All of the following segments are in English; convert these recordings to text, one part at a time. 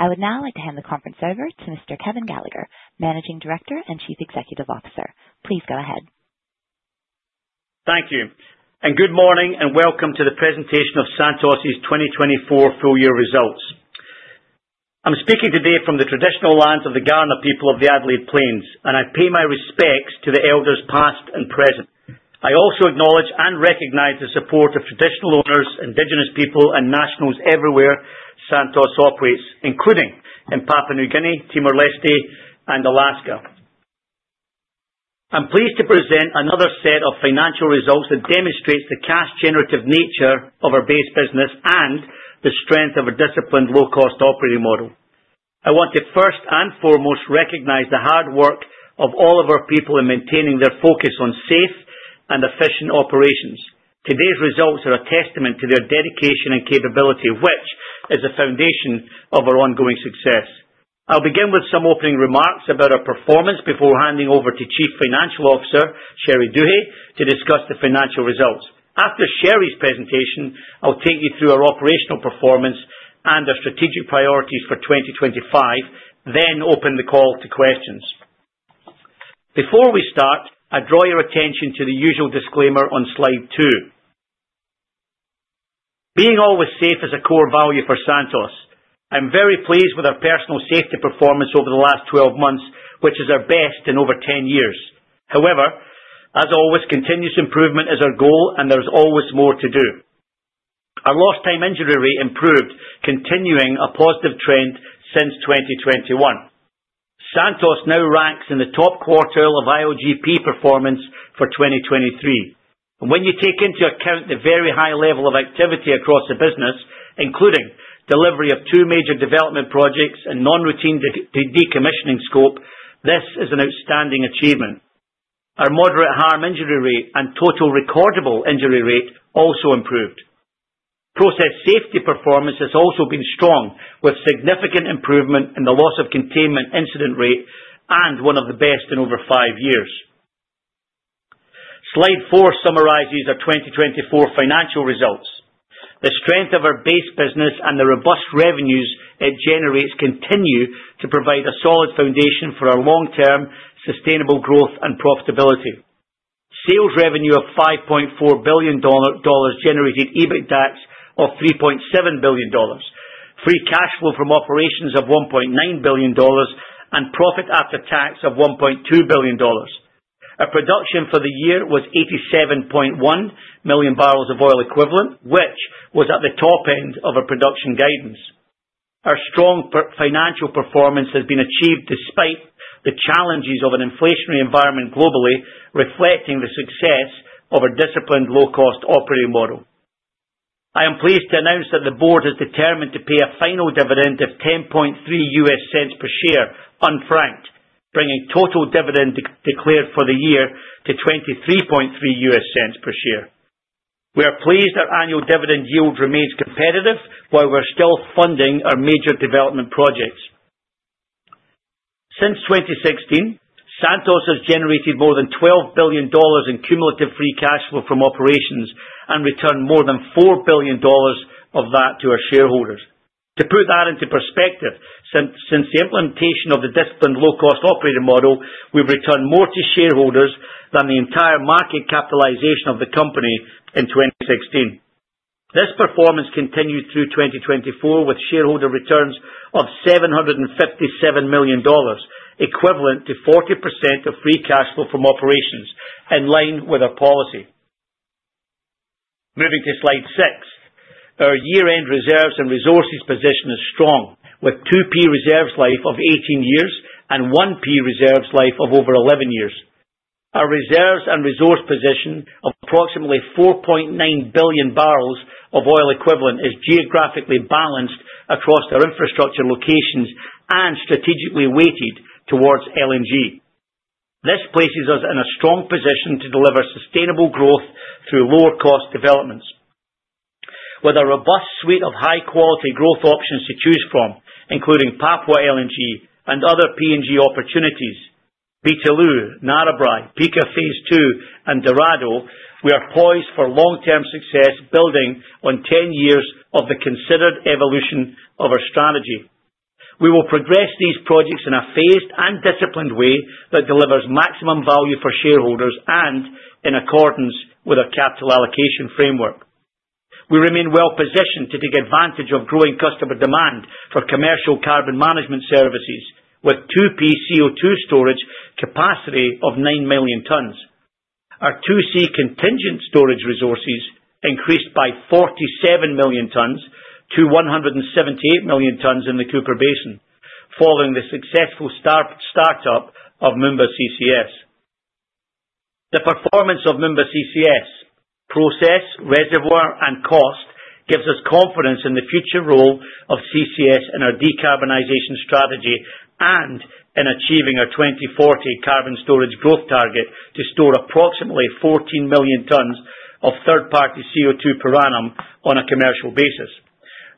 I would now like to hand the conference over to Mr. Kevin Gallagher, Managing Director and Chief Executive Officer. Please go ahead. Thank you, and good morning and welcome to the presentation of Santos' 2024 full year results. I'm speaking today from the traditional lands of the Kaurna people of the Adelaide Plains, and I pay my respects to the elders past and present. I also acknowledge and recognize the support of traditional owners, Indigenous people, and nationals everywhere Santos operates, including in Papua New Guinea, Timor-Leste, and Alaska. I'm pleased to present another set of financial results that demonstrates the cash-generative nature of our base business and the strength of our disciplined low-cost operating model. I want to first and foremost recognize the hard work of all of our people in maintaining their focus on safe and efficient operations. Today's results are a testament to their dedication and capability, which is the foundation of our ongoing success. I'll begin with some opening remarks about our performance before handing over to Chief Financial Officer, Sherry Duhe, to discuss the financial results. After Sherry's presentation, I'll take you through our operational performance and our strategic priorities for 2025, then open the call to questions. Before we start, I draw your attention to the usual disclaimer on slide two. Being always safe is a core value for Santos. I'm very pleased with our personal safety performance over the last 12 months, which is our best in over 10 years. However, as always, continuous improvement is our goal, and there's always more to do. Our lost-time injury rate improved, continuing a positive trend since 2021. Santos now ranks in the top quartile of IOGP performance for 2023. When you take into account the very high level of activity across the business, including delivery of two major development projects and non-routine decommissioning scope, this is an outstanding achievement. Our moderate harm injury rate and total recordable injury rate also improved. Process safety performance has also been strong, with significant improvement in the loss of containment incident rate and one of the best in over five years. Slide four summarizes our 2024 financial results. The strength of our base business and the robust revenues it generates continue to provide a solid foundation for our long-term sustainable growth and profitability. Sales revenue of $5.4 billion generated EBITDAX of $3.7 billion, free cash flow from operations of $1.9 billion, and profit after tax of $1.2 billion. Our production for the year was 87.1 million barrels of oil equivalent, which was at the top end of our production guidance. Our strong financial performance has been achieved despite the challenges of an inflationary environment globally, reflecting the success of our disciplined low-cost operating model. I am pleased to announce that the board is determined to pay a final dividend of $0.103 per share unfranked, bringing total dividend declared for the year to $0.233 per share. We are pleased our annual dividend yield remains competitive while we're still funding our major development projects. Since 2016, Santos has generated more than $12 billion in cumulative free cash flow from operations and returned more than $4 billion of that to our shareholders. To put that into perspective, since the implementation of the disciplined low-cost operating model, we've returned more to shareholders than the entire market capitalization of the company in 2016. This performance continued through 2024, with shareholder returns of $757 million, equivalent to 40%, of free cash flow from operations, in line with our policy. Moving to slide six, our year-end reserves and resources position is strong, with 2P reserves life of 18 years and 1P reserves life of over 11 years. Our reserves and resource position of approximately 4.9 billion barrels of oil equivalent is geographically balanced across our infrastructure locations and strategically weighted towards LNG. This places us in a strong position to deliver sustainable growth through lower-cost developments. With a robust suite of high-quality growth options to choose from, including Papua LNG and other PNG opportunities, Beetaloo, Narrabri, Pikka phase II, and Dorado, we are poised for long-term success, building on 10 years of the considered evolution of our strategy. We will progress these projects in a phased and disciplined way that delivers maximum value for shareholders and in accordance with our capital allocation framework. We remain well-positioned to take advantage of growing customer demand for commercial carbon management services, with 2P CO2 storage capacity of 9 million tons. Our 2C contingent storage resources increased by 47 million tons to 178 million tons in the Cooper Basin, following the successful startup of Moomba CCS. The performance of Moomba CCS (process, reservoir, and cost) gives us confidence in the future role of CCS in our decarbonization strategy and in achieving our 2040 carbon storage growth target to store approximately 14 million tons of third-party CO2 per annum on a commercial basis.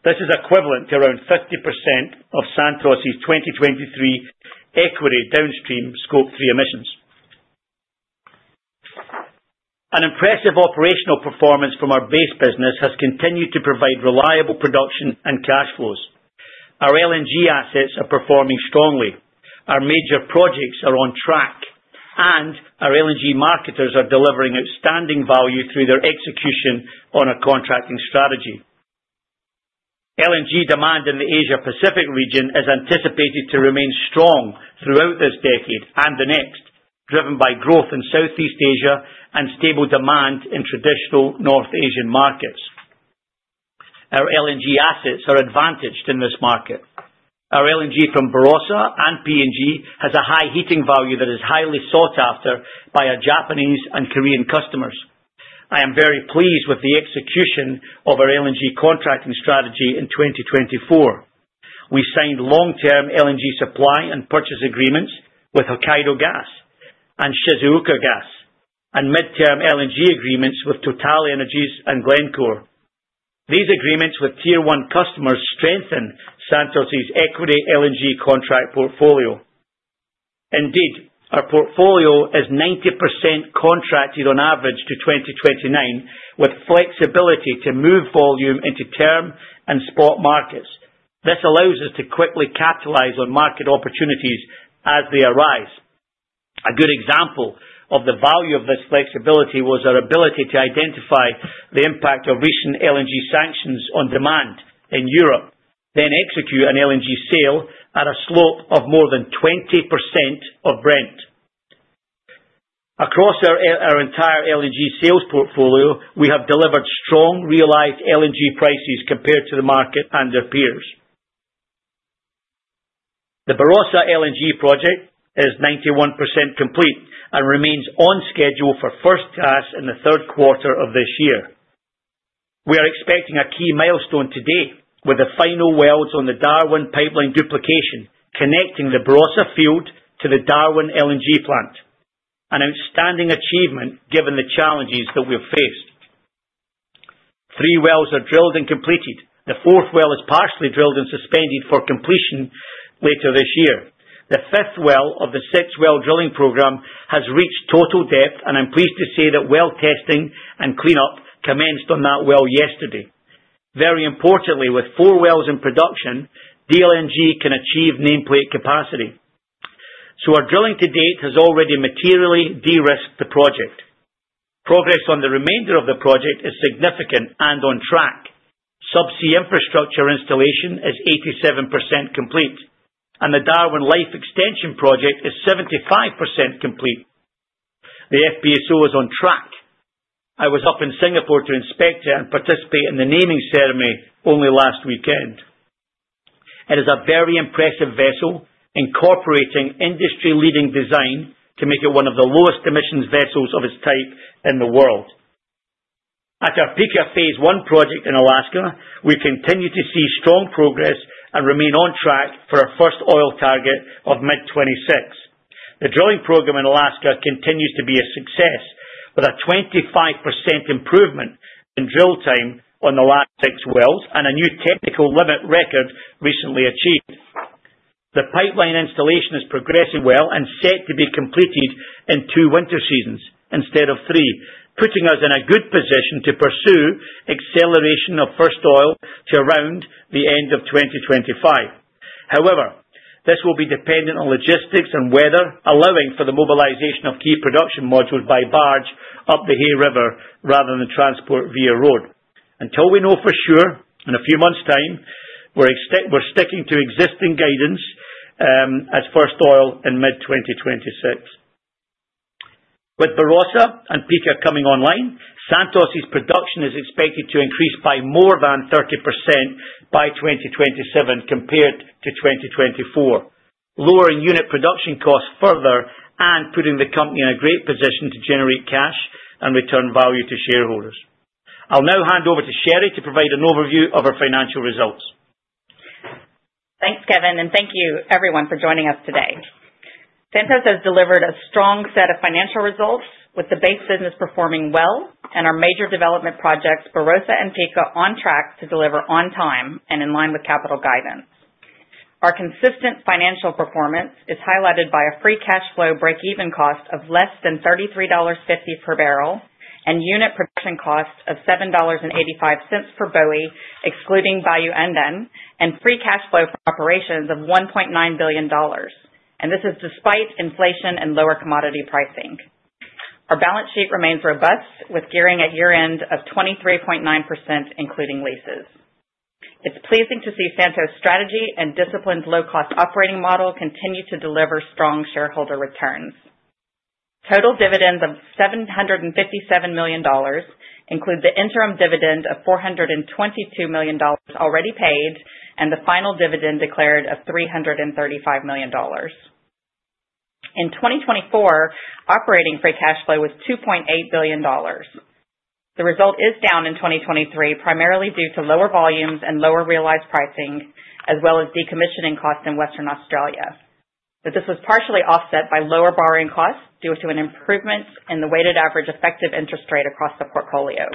This is equivalent to around 50% of Santos' 2023 equity downstream Scope Three emissions. An impressive operational performance from our base business has continued to provide reliable production and cash flows. Our LNG assets are performing strongly. Our major projects are on track, and our LNG marketers are delivering outstanding value through their execution on our contracting strategy. LNG demand in the Asia-Pacific region is anticipated to remain strong throughout this decade and the next, driven by growth in Southeast Asia and stable demand in traditional North Asian markets. Our LNG assets are advantaged in this market. Our LNG from Barossa and PNG has a high heating value that is highly sought after by our Japanese and Korean customers. I am very pleased with the execution of our LNG contracting strategy in 2024. We signed long-term LNG supply and purchase agreements with Hokkaido Gas and Shizuoka Gas, and mid-term LNG agreements with TotalEnergies and Glencore. These agreements with tier-one customers strengthen Santos' equity LNG contract portfolio. Indeed, our portfolio is 90%, contracted on average to 2029, with flexibility to move volume into term and spot markets. This allows us to quickly capitalize on market opportunities as they arise. A good example of the value of this flexibility was our ability to identify the impact of recent LNG sanctions on demand in Europe, then execute an LNG sale at a slope of more than 20% of Brent. Across our entire LNG sales portfolio, we have delivered strong realized LNG prices compared to the market and their peers. The Barossa LNG project is 91%, complete and remains on schedule for first gas in the third quarter of this year. We are expecting a key milestone today with the final welds on the Darwin pipeline duplication, connecting the Barossa field to the Darwin LNG plant, an outstanding achievement given the challenges that we've faced. Three wells are drilled and completed. The fourth well is partially drilled and suspended for completion later this year. The fifth well of the six-well drilling program has reached total depth, and I'm pleased to say that well testing and cleanup commenced on that well yesterday. Very importantly, with four wells in production, DLNG can achieve nameplate capacity. So our drilling to date has already materially de-risked the project. Progress on the remainder of the project is significant and on track. Subsea Infrastructure Installation is 87% complete, and the Darwin life extension project is 75% complete. The FPSO is on track. I was up in Singapore to inspect it and participate in the naming ceremony only last weekend. It is a very impressive vessel, incorporating industry-leading design to make it one of the lowest emissions vessels of its type in the world. At our Pikka phase I project in Alaska, we continue to see strong progress and remain on track for our first oil target of mid-2026. The drilling program in Alaska continues to be a success, with a 25%, improvement in drill time on the last six wells and a new technical limit record recently achieved. The pipeline installation is progressing well and set to be completed in two winter seasons instead of three, putting us in a good position to pursue acceleration of first oil to around the end of 2025. However, this will be dependent on logistics and weather, allowing for the mobilization of key production modules by barge up the Hay River rather than transport via road. Until we know for sure in a few months' time, we're sticking to existing guidance as first oil in mid-2026. With Barossa and Pikka coming online, Santos' production is expected to increase by more than 30% by 2027 compared to 2024, lowering unit production costs further and putting the company in a great position to generate cash and return value to shareholders. I'll now hand over to Sherry to provide an overview of our financial results. Thanks, Kevin, and thank you, everyone, for joining us today. Santos has delivered a strong set of financial results, with the base business performing well and our major development projects, Barossa and Pikka, on track to deliver on time and in line with capital guidance. Our consistent financial performance is highlighted by a free cash flow break-even cost of less than $33.50 per barrel and unit production cost of $7.85 per boe, excluding Bayu-Undan, and free cash flow from operations of $1.9 billion. And this is despite inflation and lower commodity pricing. Our balance sheet remains robust, with gearing at year-end of 23.9%, including leases. It's pleasing to see Santos' strategy and disciplined low-cost operating model continue to deliver strong shareholder returns. Total dividends of $757 million include the interim dividend of $422 million already paid and the final dividend declared of $335 million. In 2024, operating free cash flow was $2.8 billion. The result is down in 2023, primarily due to lower volumes and lower realized pricing, as well as decommissioning costs in Western Australia, but this was partially offset by lower borrowing costs due to an improvement in the weighted average effective interest rate across the portfolio.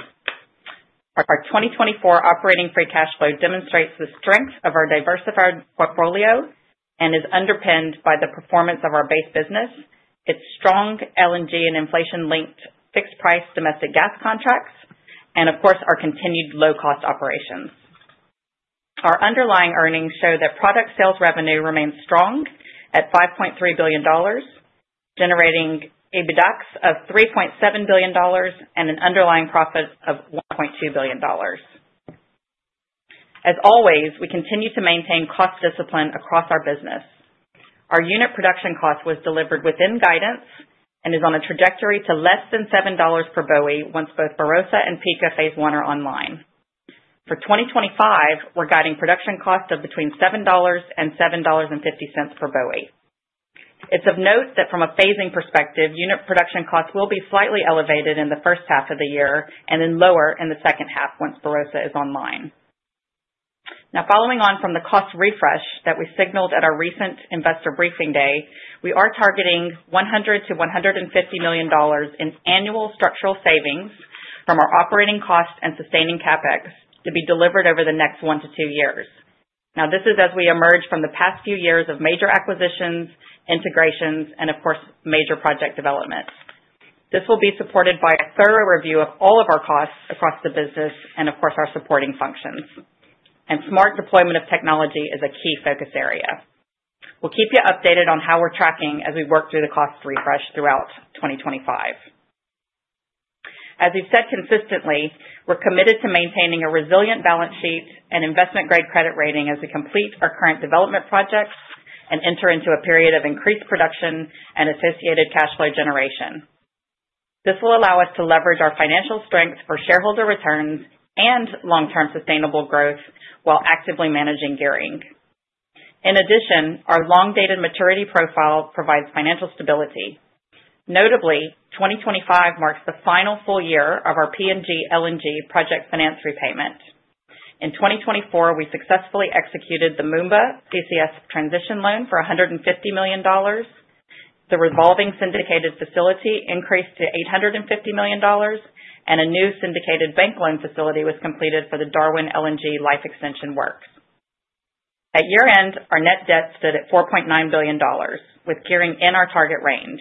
Our 2024 operating free cash flow demonstrates the strength of our diversified portfolio and is underpinned by the performance of our base business, its strong LNG and inflation-linked fixed-price domestic gas contracts, and, of course, our continued low-cost operations. Our underlying earnings show that product sales revenue remains strong at $5.3 billion, generating EBITDAX of $3.7 billion, and an underlying profit of $1.2 billion. As always, we continue to maintain cost discipline across our business. Our unit production cost was delivered within guidance and is on a trajectory to less than $7 per boe once both Barossa and Pikka Phase One are online. For 2025, we're guiding production costs of between $7 and $7.50 per boe. It's of note that from a phasing perspective, unit production costs will be slightly elevated in the first half of the year and then lower in the second half once Barossa is online. Now, following on from the cost refresh that we signaled at our recent investor briefing day, we are targeting $100-$150 million in annual structural savings from our operating costs and sustaining CapEx to be delivered over the next one to two years. Now, this is as we emerge from the past few years of major acquisitions, integrations, and, of course, major project developments. This will be supported by a thorough review of all of our costs across the business and, of course, our supporting functions. And smart deployment of technology is a key focus area. We'll keep you updated on how we're tracking as we work through the cost refresh throughout 2025. As we've said consistently, we're committed to maintaining a resilient balance sheet and investment-grade credit rating as we complete our current development projects and enter into a period of increased production and associated cash flow generation. This will allow us to leverage our financial strength for shareholder returns and long-term sustainable growth while actively managing gearing. In addition, our long-dated maturity profile provides financial stability. Notably, 2025 marks the final full year of our PNG LNG project finance repayment. In 2024, we successfully executed the Moomba CCS transition loan for $150 million. The revolving syndicated facility increased to $850 million, and a new syndicated bank loan facility was completed for the Darwin LNG Life Extension Works. At year-end, our net debt stood at $4.9 billion, with gearing in our target range.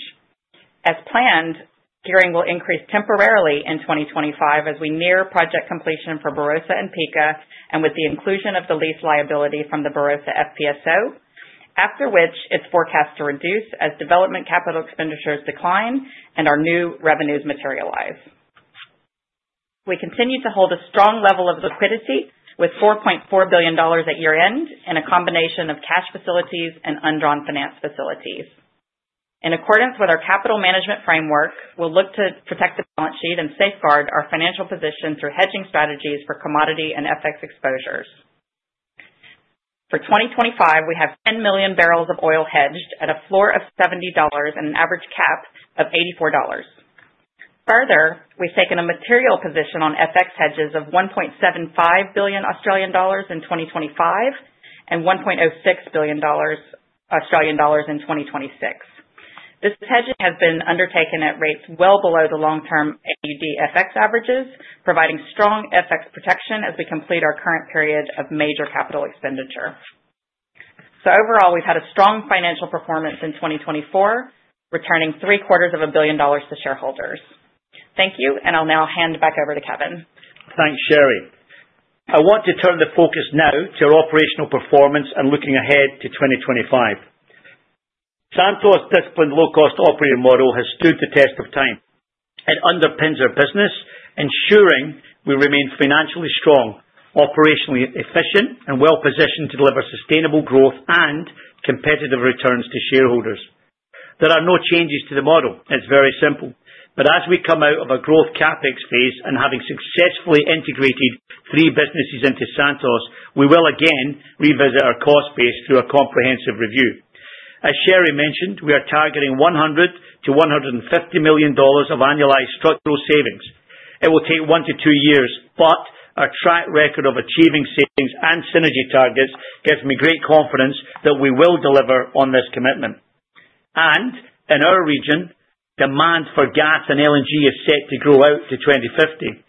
As planned, gearing will increase temporarily in 2025 as we near project completion for Barossa and Pikka, and with the inclusion of the lease liability from the Barossa FPSO, after which it's forecast to reduce as development capital expenditures decline and our new revenues materialize. We continue to hold a strong level of liquidity with $4.4 billion at year-end and a combination of cash facilities and undrawn finance facilities. In accordance with our capital management framework, we'll look to protect the balance sheet and safeguard our financial position through hedging strategies for commodity and FX exposures. For 2025, we have 10 million barrels of oil hedged at a floor of $70 and an average cap of $84. Further, we've taken a material position on FX hedges of $1.75 billion in 2025 and $1.06 billion in 2026. This hedging has been undertaken at rates well below the long-term AUD FX averages, providing strong FX protection as we complete our current period of major capital expenditure. So overall, we've had a strong financial performance in 2024, returning $750 million to shareholders. Thank you, and I'll now hand back over to Kevin. Thanks, Sherry. I want to turn the focus now to our operational performance and looking ahead to 2025. Santos' disciplined low-cost operating model has stood the test of time. It underpins our business, ensuring we remain financially strong, operationally efficient, and well-positioned to deliver sustainable growth and competitive returns to shareholders. There are no changes to the model. It's very simple, but as we come out of a growth CapEx phase and having successfully integrated three businesses into Santos, we will again revisit our cost base through a comprehensive review. As Sherry mentioned, we are targeting $100-$150 million of annualized structural savings. It will take one to two years, but our track record of achieving savings and synergy targets gives me great confidence that we will deliver on this commitment, and in our region, demand for gas and LNG is set to grow out to 2050.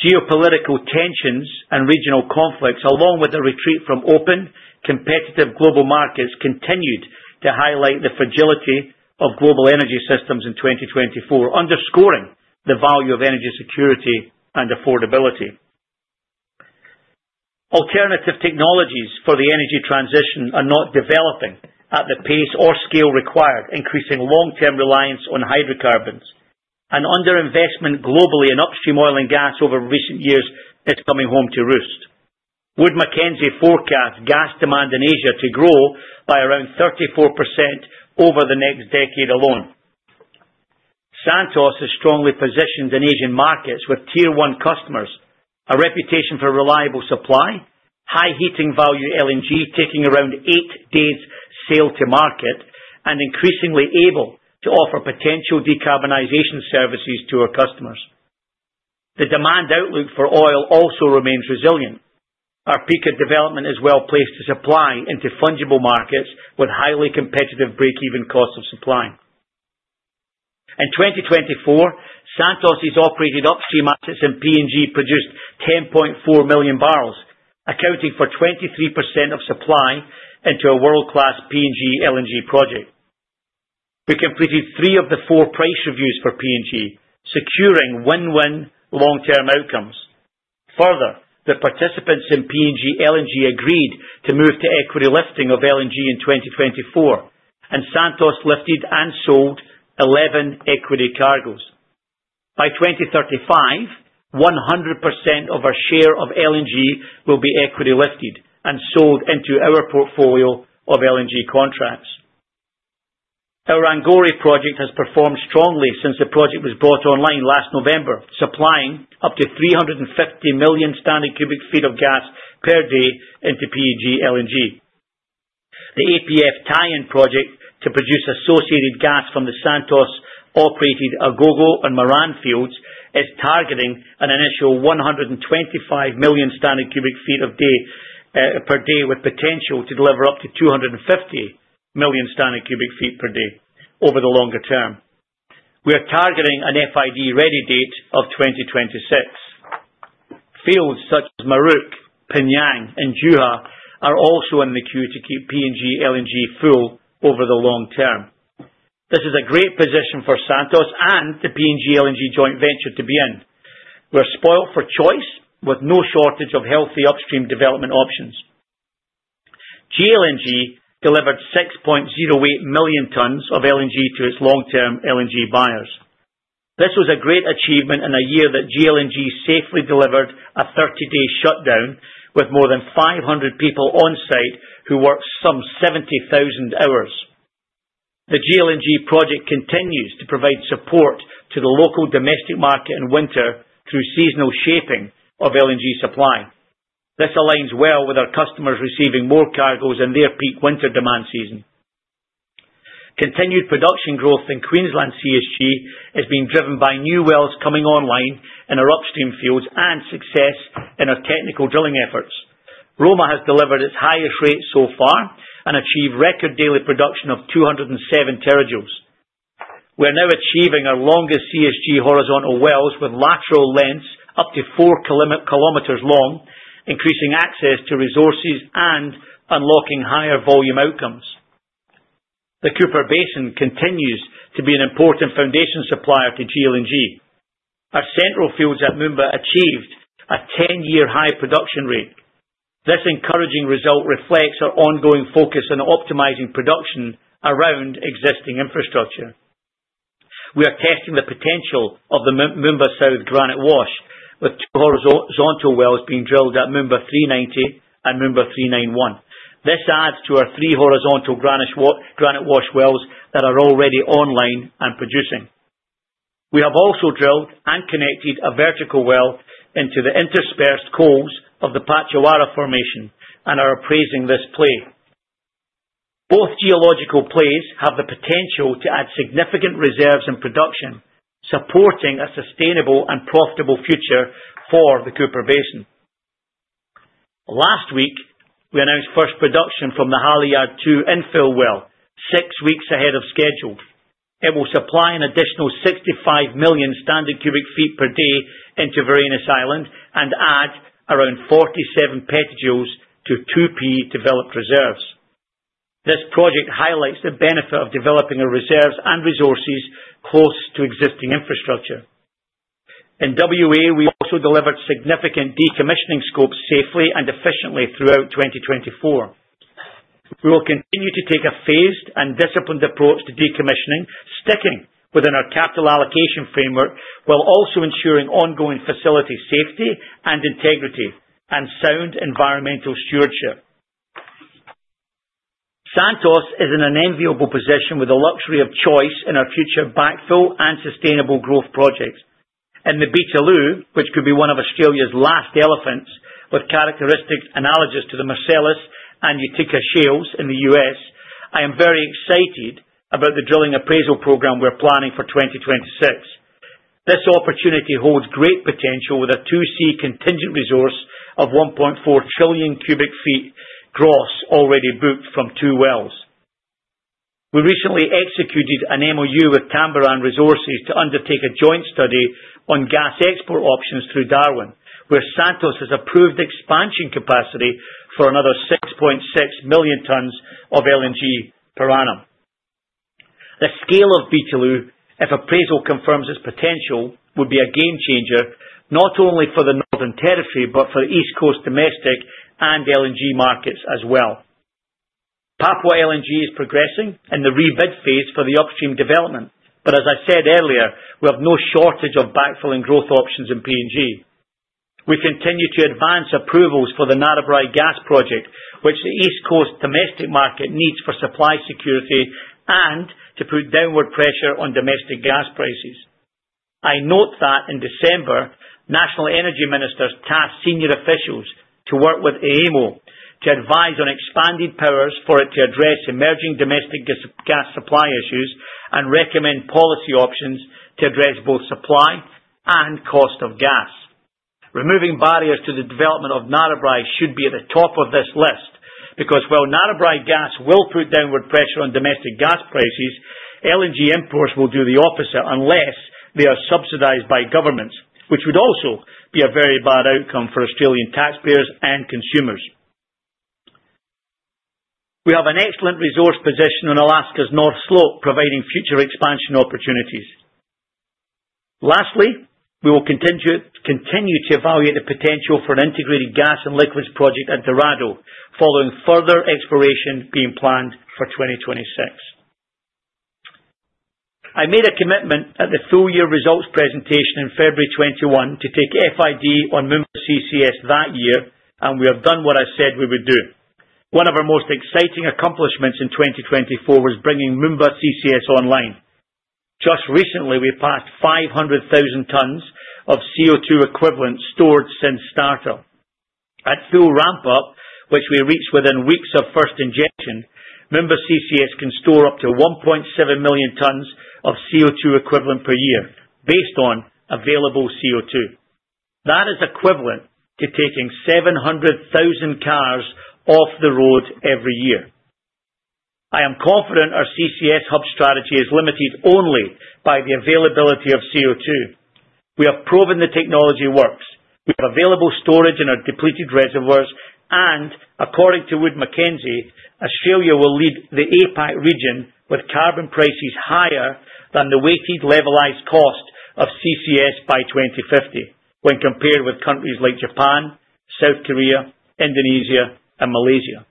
Geopolitical tensions and regional conflicts, along with the retreat from open, competitive global markets, continued to highlight the fragility of global energy systems in 2024, underscoring the value of energy security and affordability. Alternative technologies for the energy transition are not developing at the pace or scale required, increasing long-term reliance on hydrocarbons, and underinvestment globally in upstream oil and gas over recent years is coming home to roost. Wood Mackenzie forecasts gas demand in Asia to grow by around 34%, over the next decade alone. Santos is strongly positioned in Asian markets with tier-one customers, a reputation for reliable supply, high heating value LNG taking around eight days' sail to market, and increasingly able to offer potential decarbonization services to our customers. The demand outlook for oil also remains resilient. Our Pikka development is well-placed to supply into fungible markets with highly competitive break-even costs of supply. In 2024, Santos' operated upstream assets in PNG produced 10.4 million barrels, accounting for 23%, of supply into a world-class PNG LNG project. We completed three of the four price reviews for PNG, securing win-win long-term outcomes. Further, the participants in PNG LNG agreed to move to equity lifting of LNG in 2024, and Santos lifted and sold 11 equity cargoes. By 2035, 100% of our share of LNG will be equity lifted and sold into our portfolio of LNG contracts. Our Angore project has performed strongly since the project was brought online last November, supplying up to 350 million standard cubic feet of gas per day into PNG LNG. The APF Tayan project to produce associated gas from the Santos-operated Agogo and Moran fields is targeting an initial 125 million standard cubic feet per day with potential to deliver up to 250 million standard cubic feet per day over the longer term. We are targeting an FID ready date of 2026. Fields such as Muruk, P'nyang, and Juha are also in the queue to keep PNG LNG full over the long term. This is a great position for Santos and the PNG LNG joint venture to be in. We're spoilt for choice with no shortage of healthy upstream development options. GLNG delivered 6.08 million tons of LNG to its long-term LNG buyers. This was a great achievement in a year that GLNG safely delivered a 30-day shutdown with more than 500 people on site who worked some 70,000 hours. The GLNG project continues to provide support to the local domestic market in winter through seasonal shaping of LNG supply. This aligns well with our customers receiving more cargoes in their peak winter demand season. Continued production growth in Queensland CSG is being driven by new wells coming online in our upstream fields and success in our technical drilling efforts. Roma has delivered its highest rate so far and achieved record daily production of 207 terajoules. We're now achieving our longest CSG horizontal wells with lateral lengths up to four kilometers long, increasing access to resources and unlocking higher volume outcomes. The Cooper Basin continues to be an important foundation supplier to GLNG. Our central fields at Moomba achieved a 10-year high production rate. This encouraging result reflects our ongoing focus on optimizing production around existing infrastructure. We are testing the potential of the Moomba South Granite Wash with two horizontal wells being drilled at Moomba 390 and Moomba 391. This adds to our three horizontal Granite Wash wells that are already online and producing. We have also drilled and connected a vertical well into the interspersed coals of the Patchawarra Formation and are appraising this play. Both geological plays have the potential to add significant reserves in production, supporting a sustainable and profitable future for the Cooper Basin. Last week, we announced first production from the Halliard 2 infill well, six weeks ahead of schedule. It will supply an additional 65 million standard cubic feet per day into Varanus Island and add around 47 petajoules to 2P developed reserves. This project highlights the benefit of developing reserves and resources close to existing infrastructure. In WA, we also delivered significant decommissioning scopes safely and efficiently throughout 2024. We will continue to take a phased and disciplined approach to decommissioning, sticking within our capital allocation framework while also ensuring ongoing facility safety and integrity and sound environmental stewardship. Santos is in an enviable position with the luxury of choice in our future backfill and sustainable growth projects. In the Beetaloo, which could be one of Australia's last elephants, with characteristics analogous to the Marcellus and Utica shales in the US, I am very excited about the drilling appraisal program we're planning for 2026. This opportunity holds great potential with a 2C contingent resource of 1.4 trillion cubic feet gross already booked from two wells. We recently executed an MoU with Tamboran Resources to undertake a joint study on gas export options through Darwin, where Santos has approved expansion capacity for another 6.6 million tons of LNG per annum. The scale of Beetaloo, if appraisal confirms its potential, would be a game changer not only for the Northern Territory but for the East Coast domestic and LNG markets as well. Papua LNG is progressing in the rebid phase for the upstream development, but as I said earlier, we have no shortage of backfilling growth options in PNG. We continue to advance approvals for the Narrabri Gas project, which the East Coast domestic market needs for supply security and to put downward pressure on domestic gas prices. I note that in December, National Energy Ministers tasked senior officials to work with AEMO to advise on expanded powers for it to address emerging domestic gas supply issues and recommend policy options to address both supply and cost of gas. Removing barriers to the development of Narrabri should be at the top of this list because while Narrabri Gas will put downward pressure on domestic gas prices, LNG imports will do the opposite unless they are subsidized by governments, which would also be a very bad outcome for Australian taxpayers and consumers. We have an excellent resource position on Alaska's North Slope providing future expansion opportunities. Lastly, we will continue to evaluate the potential for an integrated gas and liquids project at Dorado, following further exploration being planned for 2026. I made a commitment at the full-year results presentation in February 2021 to take FID on Moomba CCS that year, and we have done what I said we would do. One of our most exciting accomplishments in 2024 was bringing Moomba CCS online. Just recently, we passed 500,000 tons of CO2 equivalent stored since startup. At full ramp-up, which we reached within weeks of first injection, Moomba CCS can store up to 1.7 million tons of CO2 equivalent per year based on available CO2. That is equivalent to taking 700,000 cars off the road every year. I am confident our CCS hub strategy is limited only by the availability of CO2. We have proven the technology works. We have available storage in our depleted reservoirs, and according to Wood Mackenzie, Australia will lead the APAC region with carbon prices higher than the weighted levelized cost of CCS by 2050 when compared with countries like Japan, South Korea, Indonesia, and Malaysia.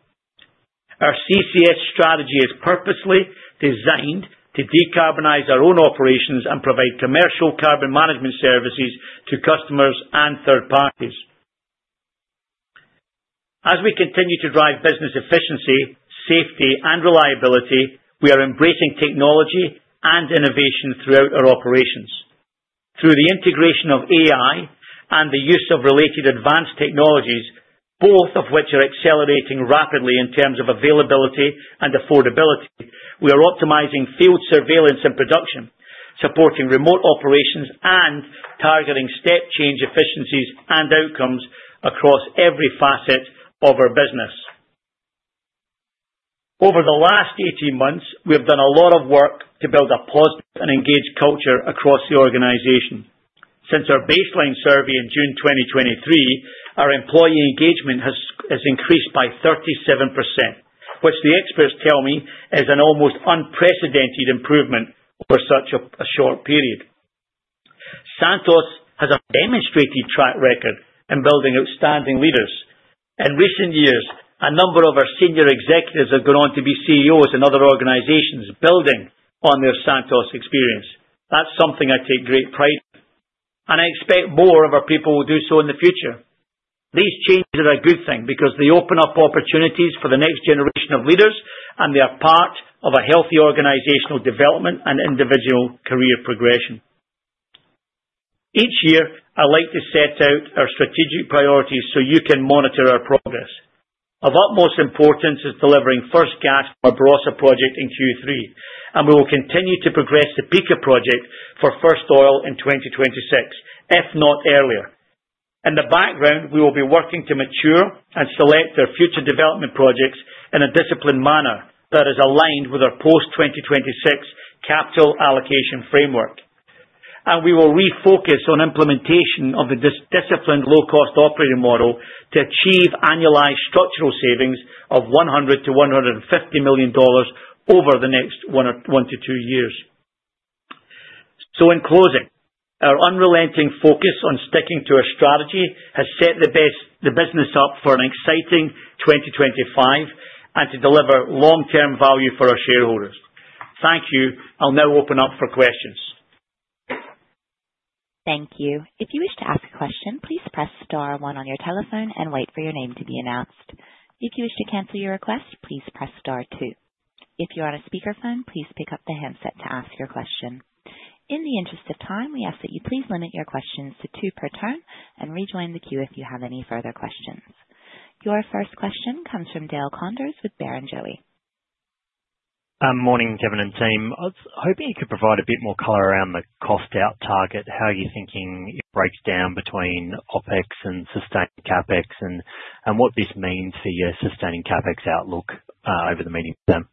Our CCS strategy is purposely designed to decarbonize our own operations and provide commercial carbon management services to customers and third parties. As we continue to drive business efficiency, safety, and reliability, we are embracing technology and innovation throughout our operations. Through the integration of AI and the use of related advanced technologies, both of which are accelerating rapidly in terms of availability and affordability, we are optimizing field surveillance and production, supporting remote operations and targeting step-change efficiencies and outcomes across every facet of our business. Over the last 18 months, we have done a lot of work to build a positive and engaged culture across the organization. Since our baseline survey in June 2023, our employee engagement has increased by 37%, which the experts tell me is an almost unprecedented improvement over such a short period. Santos has a demonstrated track record in building outstanding leaders. In recent years, a number of our senior executives have gone on to be CEOs in other organizations building on their Santos experience. That's something I take great pride in, and I expect more of our people will do so in the future. These changes are a good thing because they open up opportunities for the next generation of leaders, and they are part of a healthy organizational development and individual career progression. Each year, I like to set out our strategic priorities so you can monitor our progress. Of utmost importance is delivering first gas from our Barossa project in Q3, and we will continue to progress the Pikka project for first oil in 2026, if not earlier. In the background, we will be working to mature and select our future development projects in a disciplined manner that is aligned with our post-2026 capital allocation framework, and we will refocus on implementation of the disciplined low-cost operating model to achieve annualized structural savings of $100-$150 million over the next one to two years. So, in closing, our unrelenting focus on sticking to our strategy has set the business up for an exciting 2025 and to deliver long-term value for our shareholders. Thank you. I'll now open up for questions. Thank you. If you wish to ask a question, please press star one on your telephone and wait for your name to be announced. If you wish to cancel your request, please press star two. If you are on a speakerphone, please pick up the handset to ask your question. In the interest of time, we ask that you please limit your questions to two per term and rejoin the queue if you have any further questions. Your first question comes from Dale Koenders, with Barrenjoey. Morning, Kevin and team. I was hoping you could provide a bit more color around the cost-out target, how you're thinking it breaks down between OpEx and sustained CapEx, and what this means for your sustained CapEx outlook over the medium term?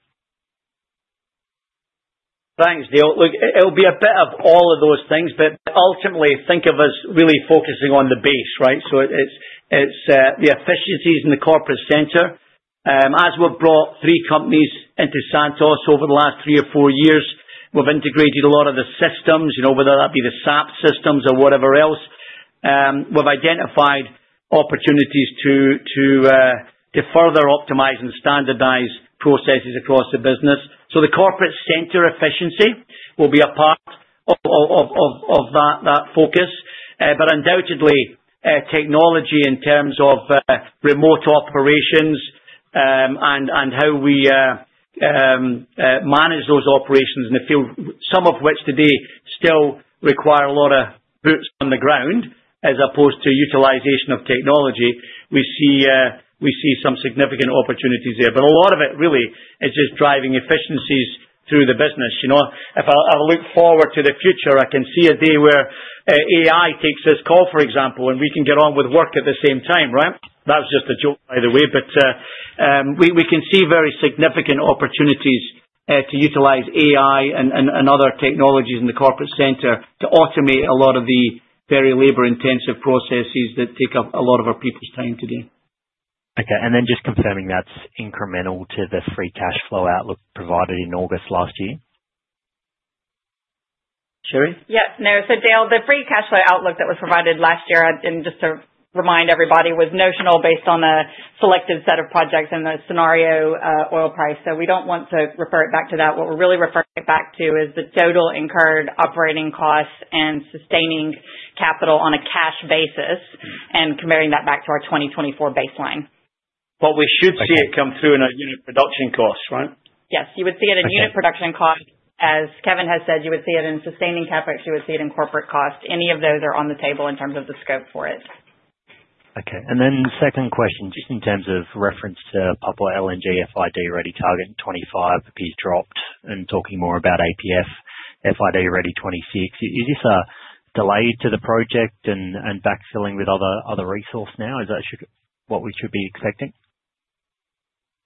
Thanks, Dale. Look, it'll be a bit of all of those things, but ultimately, think of us really focusing on the base, right? So it's the efficiencies in the corporate center. As we've brought three companies into Santos over the last three or four years, we've integrated a lot of the systems, whether that be the SAP systems or whatever else. We've identified opportunities to further optimize and standardize processes across the business. So the corporate center efficiency will be a part of that focus, but undoubtedly, technology in terms of remote operations and how we manage those operations in the field, some of which today still require a lot of boots on the ground as opposed to utilization of technology, we see some significant opportunities there. But a lot of it really is just driving efficiencies through the business. If I look forward to the future, I can see a day where AI takes this call, for example, and we can get on with work at the same time, right? That was just a joke, by the way, but we can see very significant opportunities to utilize AI and other technologies in the corporate center to automate a lot of the very labor-intensive processes that take up a lot of our people's time today. Okay. And then just confirming that's incremental to the free cash flow outlook provided in August last year? Sherry? Yep. So Dale, the free cash flow outlook that was provided last year, and just to remind everybody, was notional based on a selected set of projects and the scenario oil price. So we don't want to refer it back to that. What we're really referring back to is the total incurred operating costs and sustaining capital on a cash basis and comparing that back to our 2024 baseline. But we should see it come through in our unit production costs, right? Yes. You would see it in unit production costs, as Kevin has said. You would see it in sustaining CapEx. You would see it in corporate costs. Any of those are on the table in terms of the scope for it. Okay. And then second question, just in terms of reference to Papua LNG FID ready target in 2025, but it's dropped and talking more about APF FID ready 2026. Is this a delay to the project and backfilling with other resources now? Is that what we should be expecting?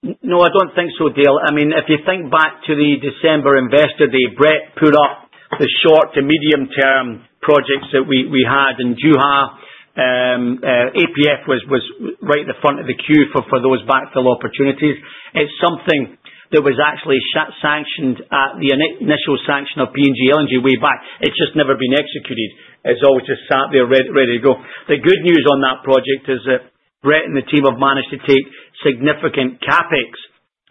No, I don't think so, Dale. I mean, if you think back to the December investor day, Brett put up the short to medium-term projects that we had in Juha. APF was right at the front of the queue for those backfill opportunities. It's something that was actually sanctioned at the initial sanction of PNG LNG way back. It's just never been executed. It's always just sat there ready to go. The good news on that project is that Brett and the team have managed to take significant CapEx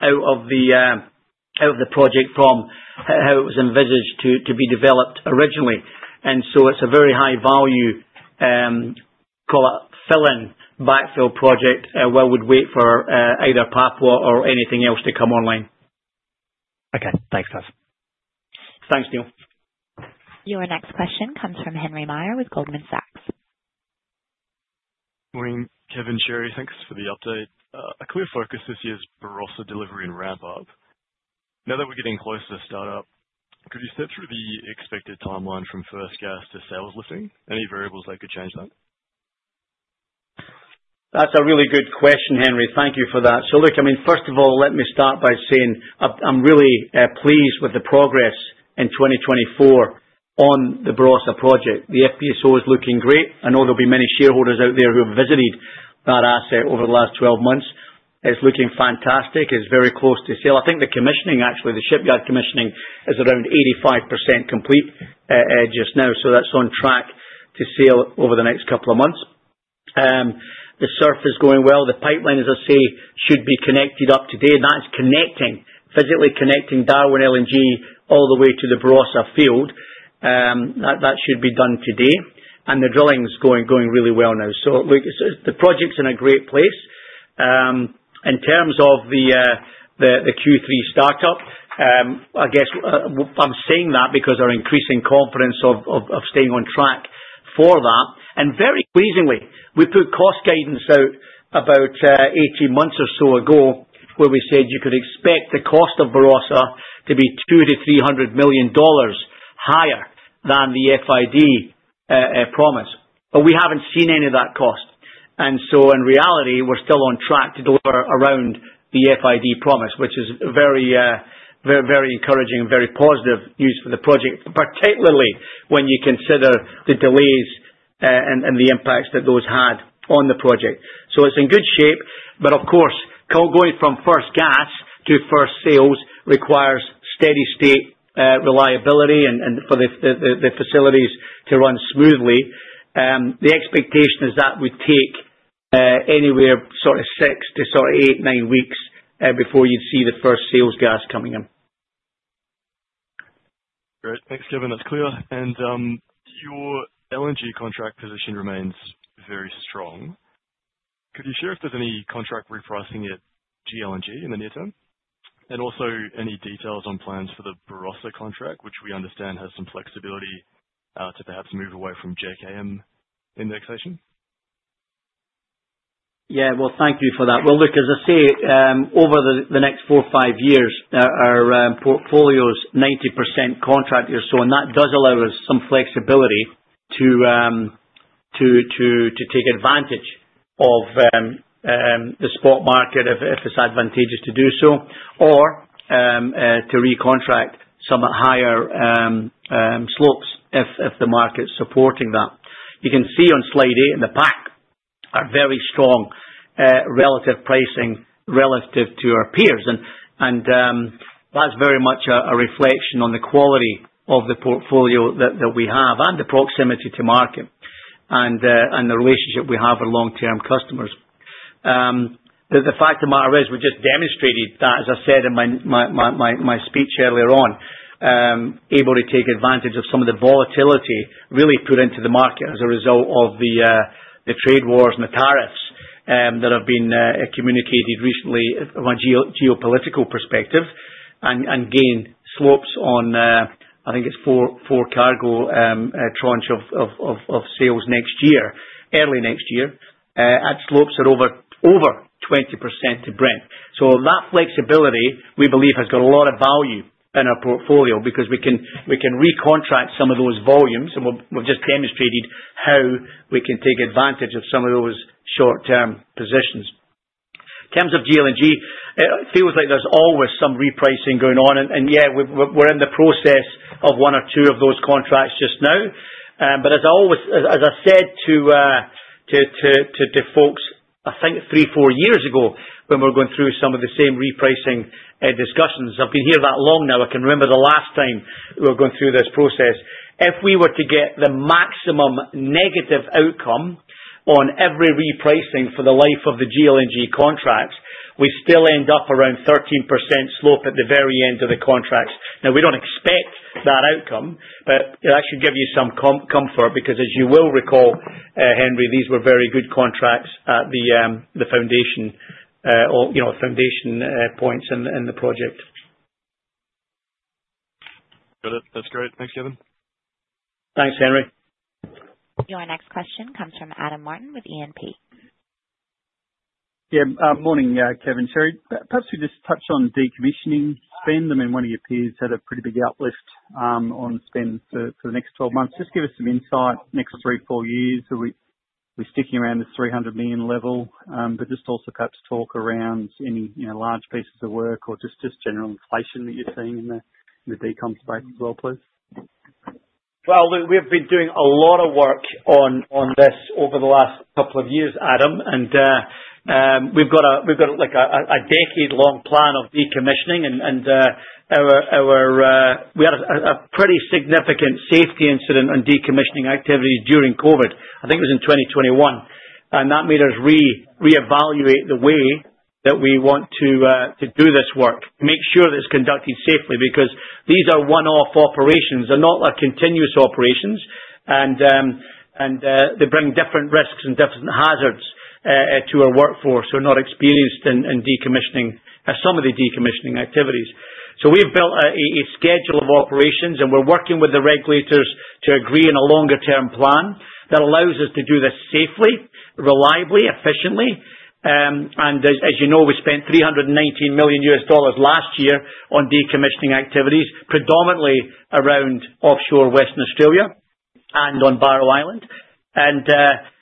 out of the project from how it was envisaged to be developed originally. And so it's a very high-value, call it fill-in backfill project while we'd wait for either Papua or anything else to come online. Okay. Thanks, guys. Thanks, Dale. Your next question comes from Henry Meyer, with Goldman Sachs. Morning, Kevin. Sherry, thanks for the update. A clear focus this year is Barossa delivery and ramp-up. Now that we're getting close to startup, could you walk through the expected timeline from first gas to sales lifting? Any variables that could change that? That's a really good question, Henry. Thank you for that. So look, I mean, first of all, let me start by saying I'm really pleased with the progress in 2024 on the Barossa project. The FPSO is looking great. I know there'll be many shareholders out there who have visited that asset over the last 12 months. It's looking fantastic. It's very close to sail. I think the commissioning, actually, the shipyard commissioning is around 85% complete just now, so that's on track to sail over the next couple of months. The SURF is going well. The pipelines, as I say, should be connected up today. That's physically connecting Darwin LNG all the way to the Barossa field. That should be done today. And the drilling's going really well now. So look, the project's in a great place. In terms of the Q3 startup, I guess I'm saying that because of our increasing confidence of staying on track for that, and very pleasingly, we put cost guidance out about 18 months or so ago where we said you could expect the cost of Barossa to be $200-$300 million higher than the FID promise, but we haven't seen any of that cost, and so in reality, we're still on track to deliver around the FID promise, which is very encouraging and very positive news for the project, particularly when you consider the delays and the impacts that those had on the project, so it's in good shape, but of course, going from first gas to first sales requires steady-state reliability and for the facilities to run smoothly. The expectation is that would take anywhere sort of six to sort of eight, nine weeks before you'd see the first sales gas coming in. Great. Thanks, Kevin. That's clear. And your LNG contract position remains very strong. Could you share if there's any contract repricing at GLNG in the near term? And also any details on plans for the Barossa contract, which we understand has some flexibility to perhaps move away from JKM indexation? Yeah. Thank you for that. Look, as I say, over the next four or five years, our portfolio is 90% contract years. So that does allow us some flexibility to take advantage of the spot market if it's advantageous to do so or to recontract some higher slopes if the market's supporting that. You can see on slide eight in the pack our very strong relative pricing relative to our peers, and that's very much a reflection on the quality of the portfolio that we have and the proximity to market and the relationship we have with long-term customers. The fact of the matter is we just demonstrated that, as I said in my speech earlier on, able to take advantage of some of the volatility really put into the market as a result of the trade wars and the tariffs that have been communicated recently from a geopolitical perspective and gain slopes on, I think it's four cargo tranche of sales early next year at slopes at over 20% to Brent, so that flexibility, we believe, has got a lot of value in our portfolio because we can recontract some of those volumes, and we've just demonstrated how we can take advantage of some of those short-term positions. In terms of GLNG, it feels like there's always some repricing going on, and yeah, we're in the process of one or two of those contracts just now. But as I said to folks, I think three, four years ago when we were going through some of the same repricing discussions, I've been here that long now. I can remember the last time we were going through this process. If we were to get the maximum negative outcome on every repricing for the life of the GLNG contracts, we still end up around 13% slope, at the very end of the contracts. Now, we don't expect that outcome, but that should give you some comfort because, as you will recall, Henry, these were very good contracts at the foundation points in the project. Got it. That's great. Thanks, Kevin. Thanks, Henry. Your next question comes from Adam Martin with E&P. Yeah. Morning, Kevin. Sherry, perhaps we just touch on decommissioning spend. I mean, one of your peers had a pretty big uplift on spend for the next 12 months. Just give us some insight. Next three, four years, are we sticking around the $300 million level? But just also perhaps talk around any large pieces of work or just general inflation that you're seeing in the decomp space as well, please. Look, we've been doing a lot of work on this over the last couple of years, Adam. We've got a decade-long plan of decommissioning. We had a pretty significant safety incident on decommissioning activities during COVID. I think it was in 2021. That made us reevaluate the way that we want to do this work, make sure that it's conducted safely because these are one-off operations. They're not continuous operations, and they bring different risks and different hazards to our workforce. We're not experienced in decommissioning some of the decommissioning activities. We've built a schedule of operations, and we're working with the regulators to agree on a longer-term plan that allows us to do this safely, reliably, efficiently. As you know, we spent $319 million last year on decommissioning activities, predominantly around offshore Western Australia and on Barrow Island.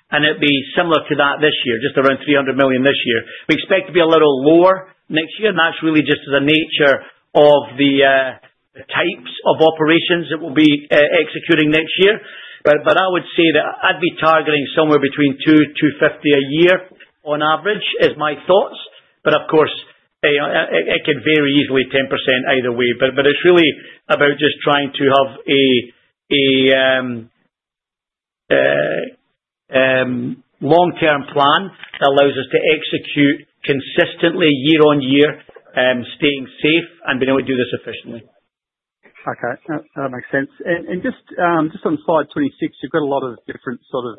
It'll be similar to that this year, just around $300 million this year. We expect to be a little lower next year, and that's really just the nature of the types of operations that we'll be executing next year. But I would say that I'd be targeting somewhere between 200-250 a year on average is my thoughts. But of course, it could vary easily 10%, either way. But it's really about just trying to have a long-term plan that allows us to execute consistently year on year, staying safe, and being able to do this efficiently. Okay. That makes sense. And just on slide 26, you've got a lot of different sort of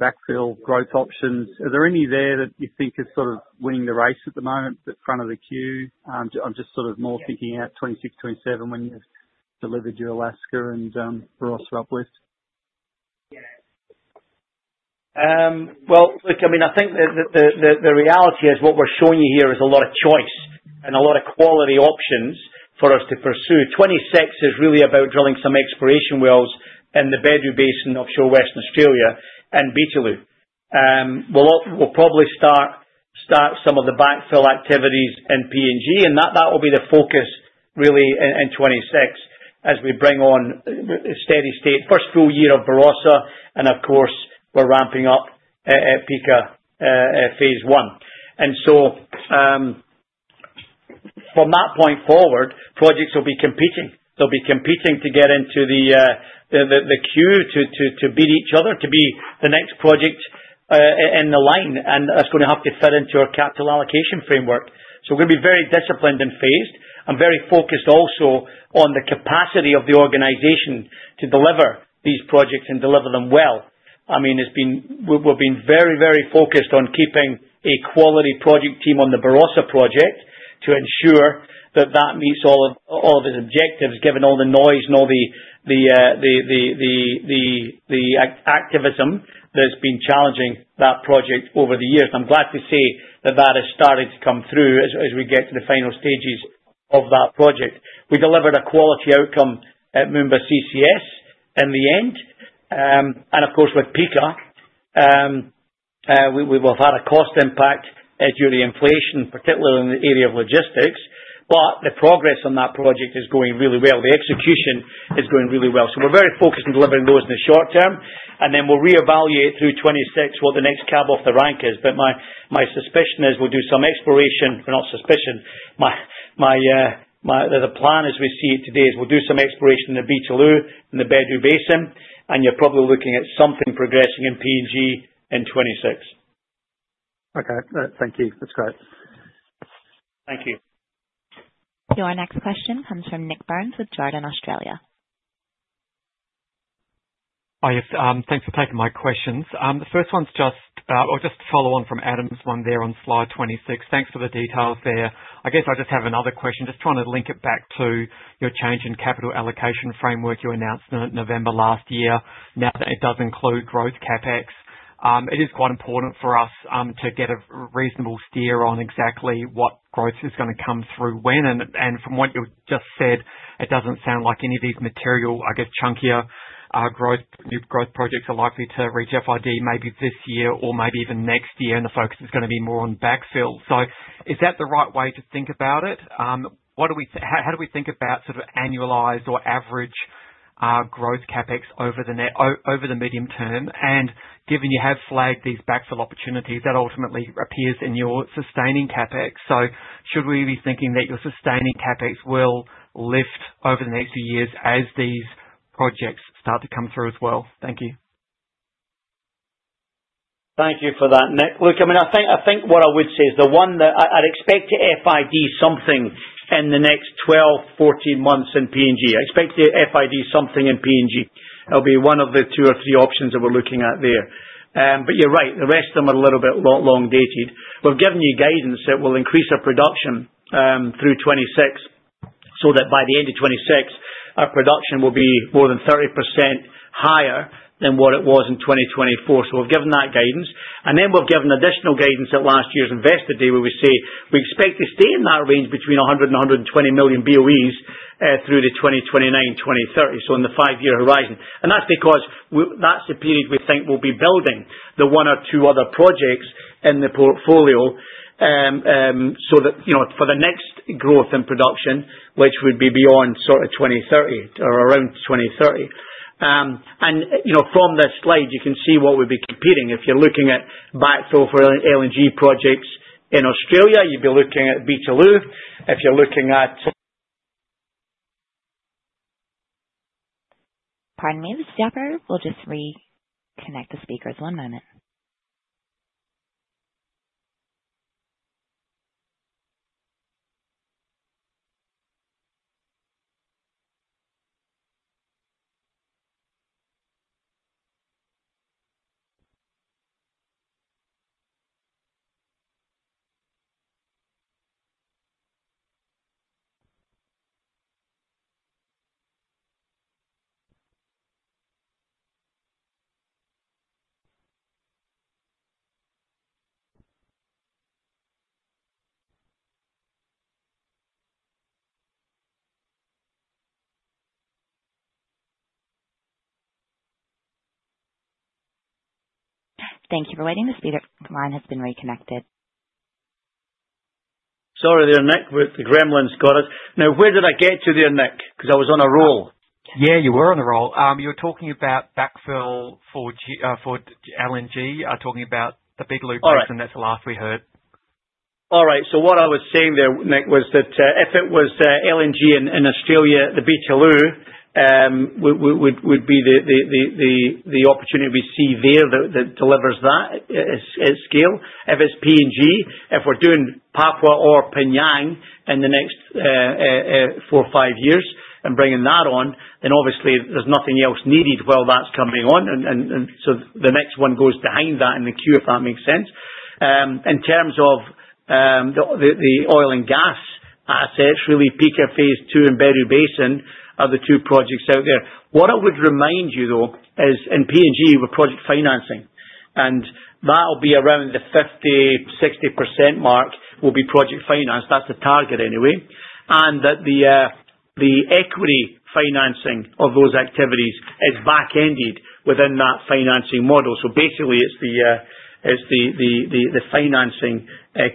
backfill growth options. Are there any there that you think are sort of winning the race at the moment, the front of the queue? I'm just sort of more thinking about 26, 27 when you've delivered your Alaska and Barossa uplift. Look, I mean, I think the reality is what we're showing you here is a lot of choice and a lot of quality options for us to pursue. 2026 is really about drilling some exploration wells in the Bedout Basin offshore Western Australia and Beetaloo. We'll probably start some of the backfill activities in PNG, and that will be the focus really in 2026 as we bring on steady-state first full year of Barossa. Of course, we're ramping up at Pikka phase one. From that point forward, projects will be competing. They'll be competing to get into the queue to beat each other, to be the next project in the line. That's going to have to fit into our capital allocation framework. So we're going to be very disciplined and phased and very focused also on the capacity of the organization to deliver these projects and deliver them well. I mean, we've been very, very focused on keeping a quality project team on the Barossa project to ensure that that meets all of its objectives, given all the noise and all the activism that's been challenging that project over the years. And I'm glad to say that that has started to come through as we get to the final stages of that project. We delivered a quality outcome at Moomba CCS in the end. And of course, with Pikka, we've had a cost impact due to inflation, particularly in the area of logistics. But the progress on that project is going really well. The execution is going really well. So we're very focused on delivering those in the short term. And then we'll reevaluate through 2026 what the next cab off the rank is. But my suspicion is we'll do some exploration. Well, not suspicion. The plan as we see it today is we'll do some exploration in the Beetaloo and the Bedout Basin. And you're probably looking at something progressing in PNG in 2026. Okay. Thank you. That's great. Thank you. Your next question comes from Nik Burns, with Jarden Australia. Hi. Thanks for taking my questions. The first one's just to follow on from Adam's one there on slide 26. Thanks for the details there. I guess I just have another question. Just trying to link it back to your change in capital allocation framework you announced in November last year, now that it does include growth CapEx. It is quite important for us to get a reasonable steer on exactly what growth is going to come through when. And from what you just said, it doesn't sound like any of these material, I guess, chunkier growth projects are likely to reach FID maybe this year or maybe even next year, and the focus is going to be more on backfill. So is that the right way to think about it? How do we think about sort of annualized or average growth CapEx over the medium term? And given you have flagged these backfill opportunities, that ultimately appears in your sustaining CapEx. So should we be thinking that your sustaining CapEx will lift over the next few years as these projects start to come through as well? Thank you. Thank you for that, Nick. Look, I mean, I think what I would say is the one that I'd expect to FID something in the next 12, 14 months in PNG. I expect to FID something in PNG. That'll be one of the two or three options that we're looking at there. But you're right. The rest of them are a little bit long-dated. We've given you guidance that we'll increase our production through 2026 so that by the end of 2026, our production will be more than 30% higher than what it was in 2024. So we've given that guidance. And then we've given additional guidance at last year's investor day where we say we expect to stay in that range between 100 and 120 million BOEs through to 2029, 2030, so in the five-year horizon. That's because that's the period we think we'll be building the one or two other projects in the portfolio so that for the next growth in production, which would be beyond sort of 2030 or around 2030. From this slide, you can see what we'd be competing. If you're looking at backfill for LNG projects in Australia, you'd be looking at Beetaloo. If you're looking at. Pardon me, Mr. Dapper. We'll just reconnect the speakers. One moment. Thank you for waiting. The speaker line has been reconnected. Sorry there, Nik. The gremlins got us. Now, where did I get you there, Nik? Because I was on a roll. Yeah, you were on a roll. You were talking about backfill for LNG, talking about the Beetaloo place, and that's the last we heard. All right. So what I was saying there, Nik, was that if it was LNG in Australia, the Beetaloo would be the opportunity we see there that delivers that at scale. If it's PNG, if we're doing Papua or P'nyang in the next four or five years and bringing that on, then obviously, there's nothing else needed while that's coming on. And so the next one goes behind that in the queue, if that makes sense. In terms of the oil and gas assets, really, Pikka phase two and Bedout Basin are the two projects out there. What I would remind you, though, is in PNG, we're project financing. And that'll be around the 50-60% mark will be project financed. That's the target anyway. And that the equity financing of those activities is back-ended within that financing model. So basically, it's the financing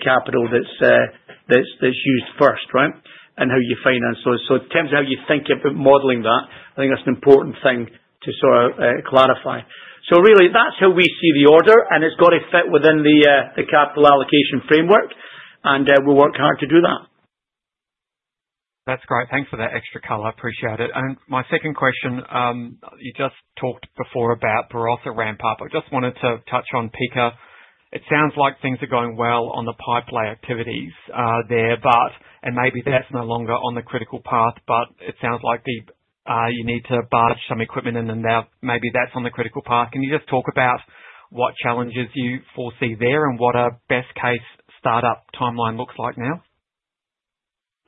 capital that's used first, right, and how you finance those. So in terms of how you think of modeling that, I think that's an important thing to sort of clarify. So really, that's how we see the order, and it's got to fit within the capital allocation framework. And we're working hard to do that. That's great. Thanks for that extra color. I appreciate it. And my second question, you just talked before about Barossa ramp-up. I just wanted to touch on Pikka. It sounds like things are going well on the pipeline activities there, and maybe that's no longer on the critical path. But it sounds like you need to barge some equipment in, and now maybe that's on the critical path. Can you just talk about what challenges you foresee there and what a best-case startup timeline looks like now?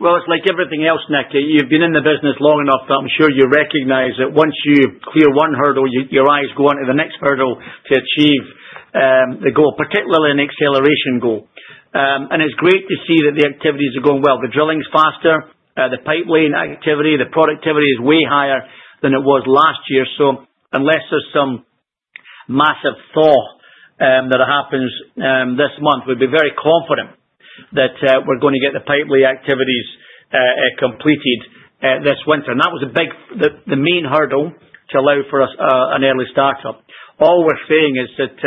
It's like everything else, Nik. You've been in the business long enough that I'm sure you recognize that once you clear one hurdle, your eyes go onto the next hurdle to achieve the goal, particularly an acceleration goal. And it's great to see that the activities are going well. The drilling's faster. The pipeline activity, the productivity is way higher than it was last year. So unless there's some massive thaw that happens this month, we'd be very confident that we're going to get the pipeline activities completed this winter. And that was the main hurdle to allow for an early startup. All we're saying is that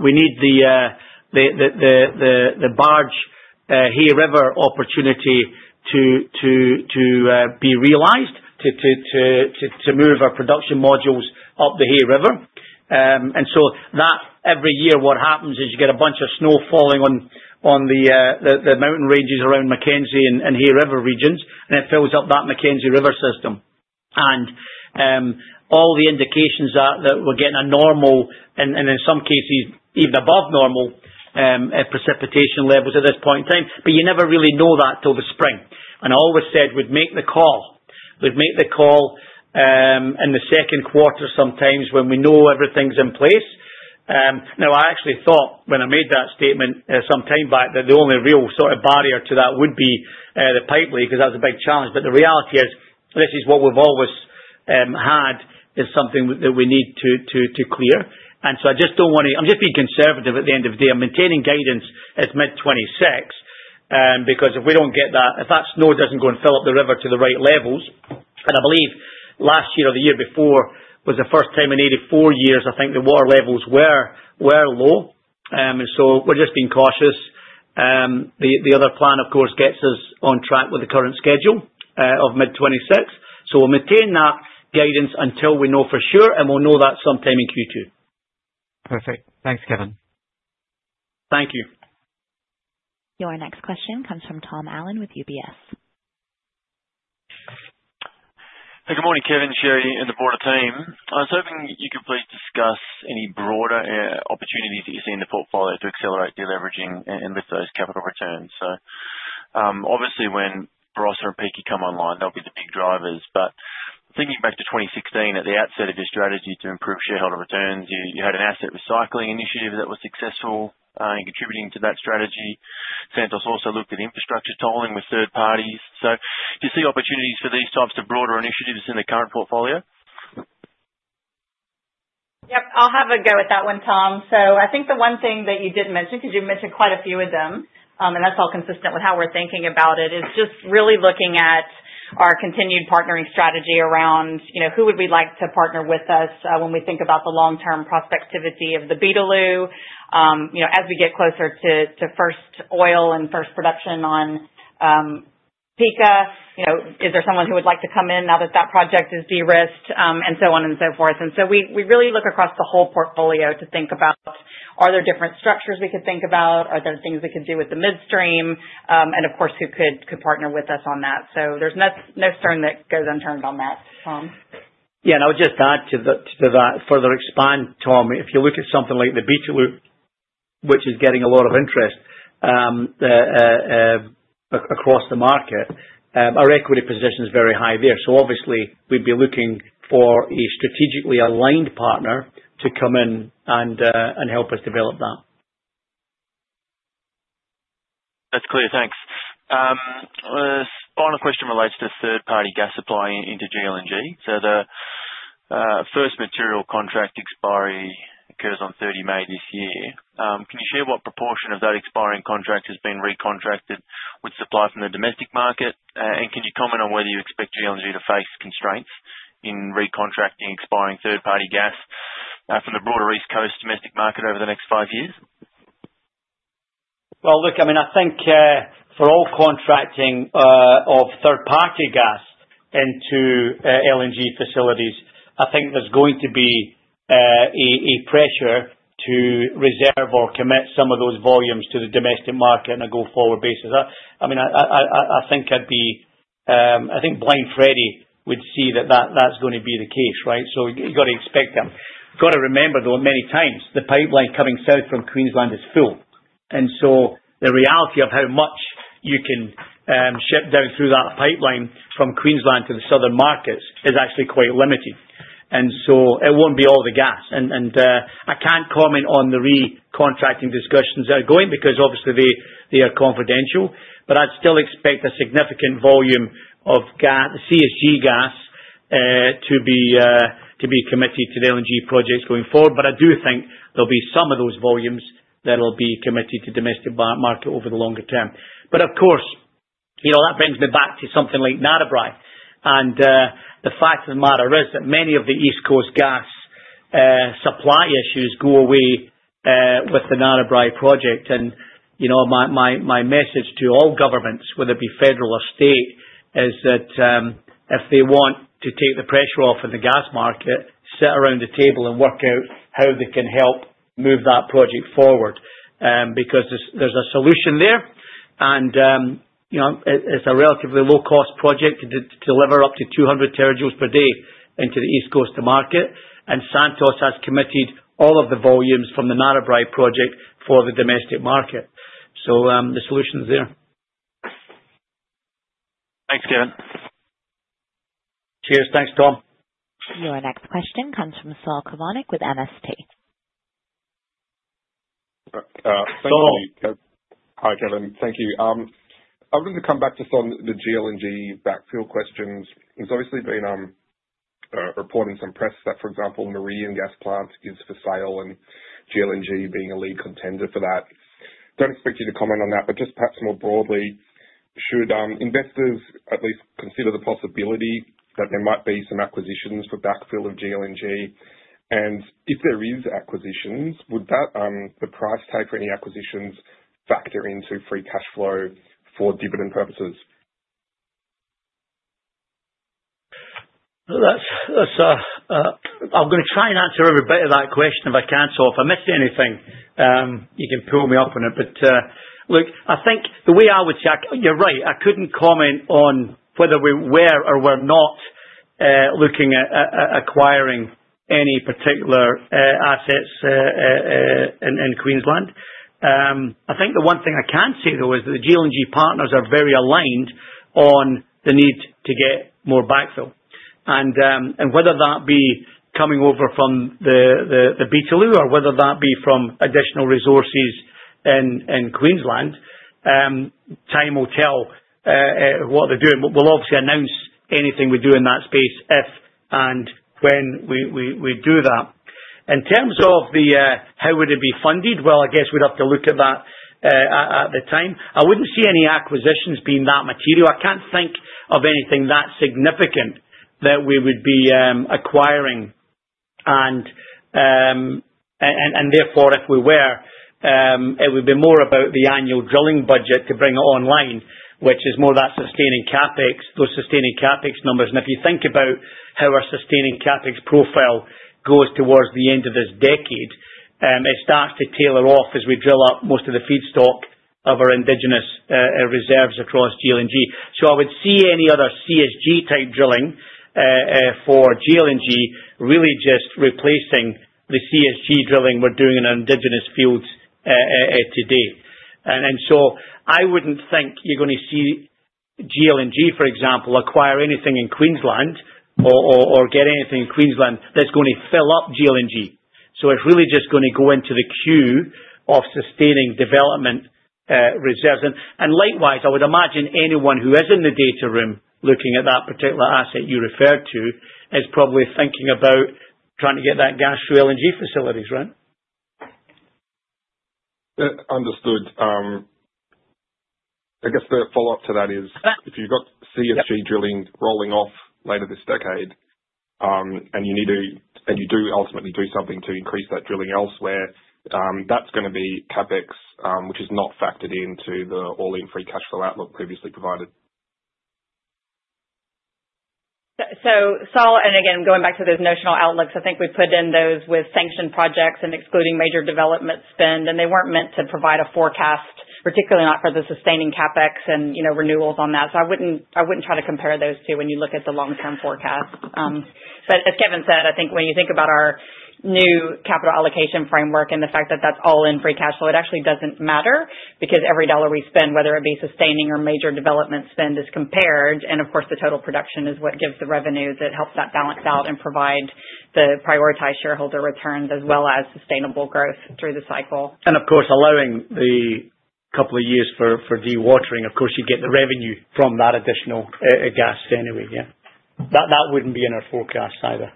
we need the barge Hay River opportunity to be realized, to move our production modules up the Hay River. So that every year, what happens is you get a bunch of snow falling on the mountain ranges around Mackenzie and Hay River regions, and it fills up that Mackenzie River system. All the indications are that we're getting a normal, and in some cases, even above normal precipitation levels at this point in time. But you never really know that till the spring. I always said we'd make the call. We'd make the call in the second quarter sometimes when we know everything's in place. Now, I actually thought when I made that statement some time back that the only real sort of barrier to that would be the pipeline because that's a big challenge. The reality is this is what we've always had, is something that we need to clear. And so, I just don't want to. I'm just being conservative at the end of the day. I'm maintaining guidance as mid-26 because if we don't get that, if that snow doesn't go and fill up the river to the right levels, and I believe last year or the year before was the first time in 84 years. I think the water levels were low. And so, we're just being cautious. The other plan, of course, gets us on track with the current schedule of mid-26. So, we'll maintain that guidance until we know for sure, and we'll know that sometime in Q2. Perfect. Thanks, Kevin. Thank you. Your next question comes from Tom Allen, with UBS. Hey, good morning, Kevin and Sherry, and the board, on the line. I was hoping you could please discuss any broader opportunities that you see in the portfolio to accelerate deleveraging and lift those capital returns. So obviously, when Barossa and Pikka come online, they'll be the big drivers. But thinking back to 2016, at the outset of your strategy to improve shareholder returns, you had an asset recycling initiative that was successful in contributing to that strategy. Santos also looked at infrastructure tolling with third parties. So do you see opportunities for these types of broader initiatives in the current portfolio? Yep. I'll have a go at that one, Tom. So I think the one thing that you did mention, because you've mentioned quite a few of them, and that's all consistent with how we're thinking about it, is just really looking at our continued partnering strategy around who would we like to partner with us when we think about the long-term prospectivity of the Beetaloo as we get closer to first oil and first production on Pikka. Is there someone who would like to come in now that that project is de-risked and so on and so forth? And so we really look across the whole portfolio to think about, are there different structures we could think about? Are there things we could do with the midstream? And of course, who could partner with us on that? So there's no stone that goes unturned on that, Tom. Yeah. And I would just add to that further expand, Tom. If you look at something like the Beetaloo, which is getting a lot of interest across the market, our equity position is very high there. So obviously, we'd be looking for a strategically aligned partner to come in and help us develop that. That's clear. Thanks. One question relates to third-party gas supply into GLNG. So the first material contract expiry occurs on 30 May this year. Can you share what proportion of that expiring contract has been recontracted with supply from the domestic market? And can you comment on whether you expect GLNG to face constraints in recontracting expiring third-party gas from the broader East Coast domestic market over the next five years? Well, look, I mean, I think for all contracting of third-party gas into LNG facilities, I think there's going to be a pressure to reserve or commit some of those volumes to the domestic market on a go-forward basis. I mean, I think Brian Freddy would see that that's going to be the case, right? So you've got to expect them. Got to remember, though, many times, the pipeline coming south from Queensland is full. And so the reality of how much you can ship down through that pipeline from Queensland to the southern markets is actually quite limited. And so it won't be all the gas. And I can't comment on the recontracting discussions that are going because obviously, they are confidential. But I'd still expect a significant volume of CSG gas to be committed to the LNG projects going forward. But I do think there'll be some of those volumes that'll be committed to domestic market over the longer term. But of course, that brings me back to something like Narrabri. And the fact of the matter is that many of the East Coast gas supply issues go away with the Narrabri project. And my message to all governments, whether it be federal or state, is that if they want to take the pressure off of the gas market, sit around the table and work out how they can help move that project forward because there's a solution there. And it's a relatively low-cost project to deliver up to 200 terajoules per day into the East Coast market. And Santos has committed all of the volumes from the Narrabri project for the domestic market. So the solution's there. Thanks, Kevin. Cheers. Thanks, Tom. Your next question comes from Saul Kavonic, with MST. Thank you, Kevin. Hi, Kevin. Thank you. I wanted to come back to some of the GLNG backfill questions. There's obviously been some reporting, some press that, for example, Maran Gas Plant is for sale and GLNG being a lead contender for that. Don't expect you to comment on that, but just perhaps more broadly, should investors at least consider the possibility that there might be some acquisitions for backfill of GLNG? And if there are acquisitions, would the price tag for any acquisitions factor into free cash flow for dividend purposes? I'm going to try and answer every bit of that question if I can. So if I miss anything, you can pull me up on it. But look, I think the way I would say, you're right. I couldn't comment on whether we were or were not looking at acquiring any particular assets in Queensland. I think the one thing I can say, though, is that the GLNG partners are very aligned on the need to get more backfill. And whether that be coming over from the Beetaloo or whether that be from additional resources in Queensland, time will tell what they're doing. We'll obviously announce anything we do in that space if and when we do that. In terms of how would it be funded, well, I guess we'd have to look at that at the time. I wouldn't see any acquisitions being that material. I can't think of anything that significant that we would be acquiring. And therefore, if we were, it would be more about the annual drilling budget to bring it online, which is more that sustaining CapEx, those sustaining CapEx numbers. And if you think about how our sustaining CapEx profile goes towards the end of this decade, it starts to taper off as we drill up most of the feedstock of our indigenous reserves across GLNG. So I would see any other CSG-type drilling for GLNG really just replacing the CSG drilling we're doing in our indigenous fields today. And so I wouldn't think you're going to see GLNG, for example, acquire anything in Queensland or get anything in Queensland that's going to fill up GLNG. So it's really just going to go into the queue of sustaining development reserves. Likewise, I would imagine anyone who is in the data room looking at that particular asset you referred to is probably thinking about trying to get that gas through LNG facilities, right? Understood. I guess the follow-up to that is if you've got CSG drilling rolling off later this decade and you do ultimately do something to increase that drilling elsewhere, that's going to be CapEx, which is not factored into the all-in free cash flow outlook previously provided. So, Saul, and again, going back to those notional outlooks, I think we put in those with sanctioned projects and excluding major development spend. And they weren't meant to provide a forecast, particularly not for the sustaining CapEx and renewals on that. So I wouldn't try to compare those two when you look at the long-term forecast. But as Kevin said, I think when you think about our new capital allocation framework and the fact that that's all in free cash flow, it actually doesn't matter because every dollar we spend, whether it be sustaining or major development spend, is compared. And of course, the total production is what gives the revenue that helps that balance out and provide the prioritized shareholder returns as well as sustainable growth through the cycle. Of course, allowing the couple of years for dewatering, of course, you get the revenue from that additional gas anyway. Yeah. That wouldn't be in our forecast either.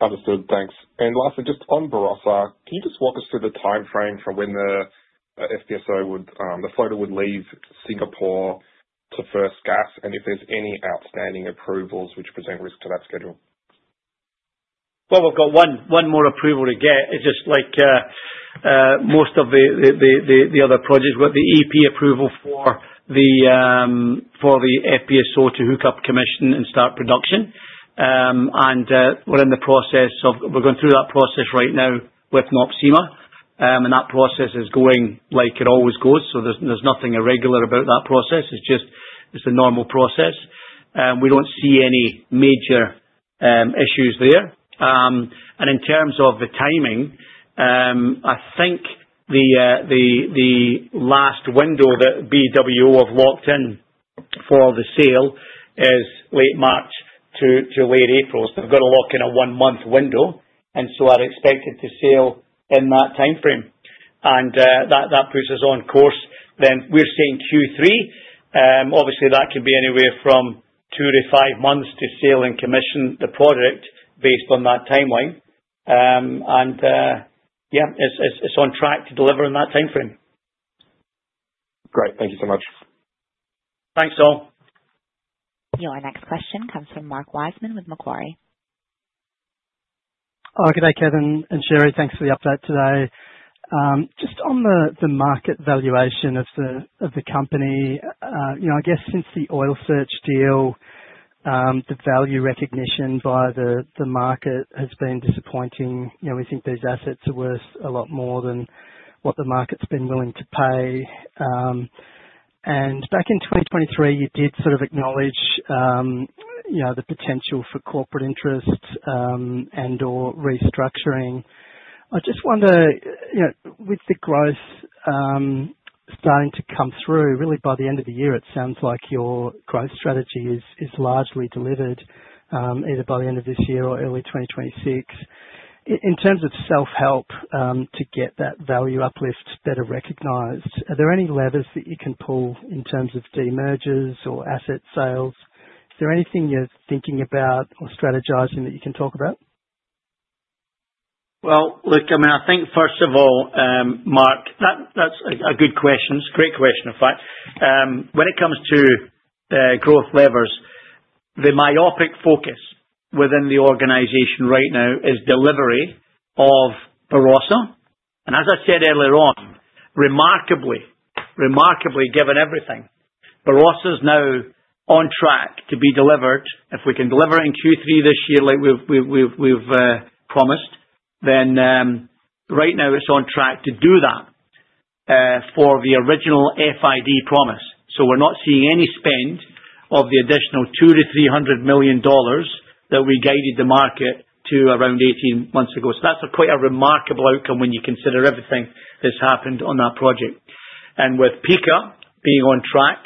Understood. Thanks. And lastly, just on Barossa, can you just walk us through the timeframe for when the FPSO, the FPSO would leave Singapore to first gas and if there's any outstanding approvals which present risk to that schedule? Well, we've got one more approval to get. It's just like most of the other projects. We've got the EP approval for the FPSO to hook up, commission, and start production. And we're in the process of going through that process right now with NOPSEMA. And that process is going like it always goes. So there's nothing irregular about that process. It's just a normal process. We don't see any major issues there. And in terms of the timing, I think the last window that BWO have locked in for the sail is late March to late April. So they've got to lock in a one-month window. And so I'd expect it to sail in that timeframe. And that puts us on course. Then we're seeing Q3. Obviously, that could be anywhere from two to five months to sail and commission the product based on that timeline. Yeah, it's on track to deliver in that timeframe. Great. Thank you so much. Thanks, Tom. Your next question comes from Mark Wiseman, with Macquarie. Good day, Kevin and Sherry. Thanks for the update today. Just on the market valuation of the company, I guess since the Oil Search deal, the value recognition by the market has been disappointing. We think these assets are worth a lot more than what the market's been willing to pay. And back in 2023, you did sort of acknowledge the potential for corporate interest and/or restructuring. I just wonder, with the growth starting to come through, really by the end of the year, it sounds like your growth strategy is largely delivered either by the end of this year or early 2026. In terms of self-help to get that value uplift better recognized, are there any levers that you can pull in terms of de-mergers or asset sales? Is there anything you're thinking about or strategizing that you can talk about? Look, I mean, I think first of all, Mark, that's a good question. It's a great question, in fact. When it comes to growth levers, the myopic focus within the organization right now is delivery of Barossa. As I said earlier on, remarkably, remarkably given everything, Barossa is now on track to be delivered. If we can deliver in Q3 this year like we've promised, then right now it's on track to do that for the original FID promise. We're not seeing any spend of the additional $200-$300 million that we guided the market to around 18 months ago. That's quite a remarkable outcome when you consider everything that's happened on that project. And with Pikka being on track,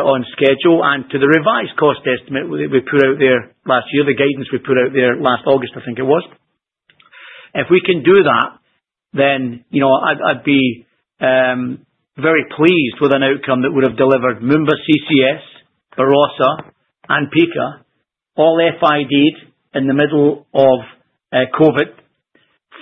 on schedule, and to the revised cost estimate we put out there last year, the guidance we put out there last August, I think it was. If we can do that, then I'd be very pleased with an outcome that would have delivered Moomba CCS, Barossa, and Pikka, all FIDed in the middle of COVID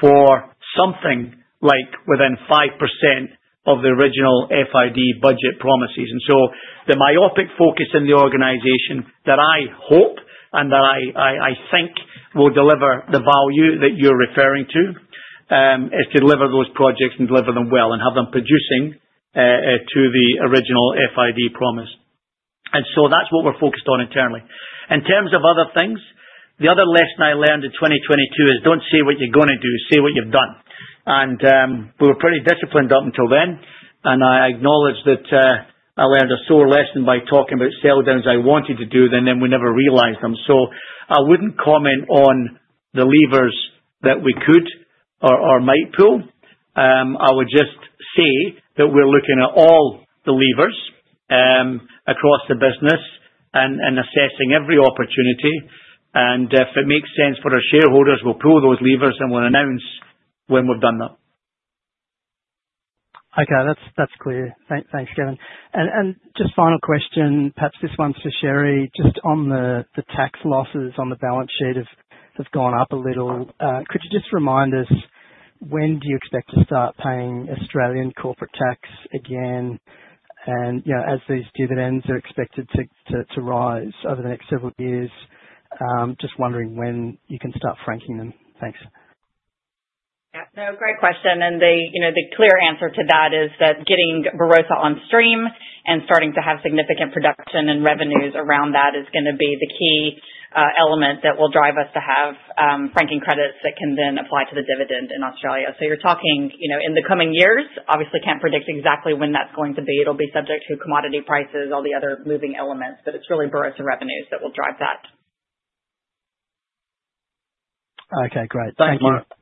for something like within 5%, of the original FID budget promises. And so the myopic focus in the organization that I hope and that I think will deliver the value that you're referring to is to deliver those projects and deliver them well and have them producing to the original FID promise. And so that's what we're focused on internally. In terms of other things, the other lesson I learned in 2022 is don't say what you're going to do, say what you've done. And we were pretty disciplined up until then. And I acknowledge that I learned a sore lesson by talking about sale downs I wanted to do, and then we never realized them. So I wouldn't comment on the levers that we could or might pull. I would just say that we're looking at all the levers across the business and assessing every opportunity. And if it makes sense for our shareholders, we'll pull those levers and we'll announce when we've done that. Okay. That's clear. Thanks, Kevin. And just final question, perhaps this one's for Sherry, just on the tax losses on the balance sheet have gone up a little. Could you just remind us when do you expect to start paying Australian corporate tax again as these dividends are expected to rise over the next several years? Just wondering when you can start franking them. Thanks. Yeah. No, great question. And the clear answer to that is that getting Barossa on stream and starting to have significant production and revenues around that is going to be the key element that will drive us to have franking credits that can then apply to the dividend in Australia. So you're talking in the coming years, obviously can't predict exactly when that's going to be. It'll be subject to commodity prices, all the other moving elements, but it's really Barossa revenues that will drive that. Okay. Great. Thank you. Thank you.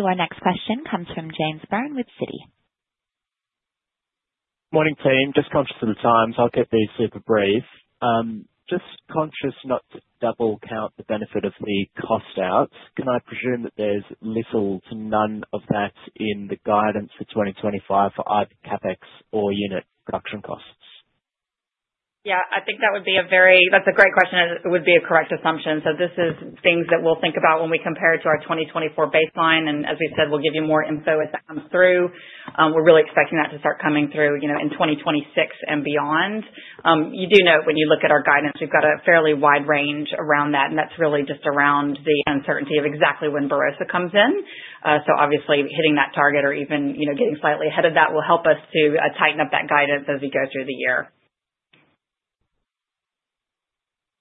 Our next question comes from James Byrne, with Citi. Morning, team. Just conscious of the time, so I'll keep these super brief. Just conscious not to double count the benefit of the cost-out. Can I presume that there's little to none of that in the guidance for 2025 for either CapEx or unit production costs? Yeah. I think that's a great question. It would be a correct assumption. So this is things that we'll think about when we compare it to our 2024 baseline. And as we said, we'll give you more info as that comes through. We're really expecting that to start coming through in 2026 and beyond. You do know when you look at our guidance, we've got a fairly wide range around that. And that's really just around the uncertainty of exactly when Barossa comes in. So obviously hitting that target or even getting slightly ahead of that will help us to tighten up that guidance as we go through the year.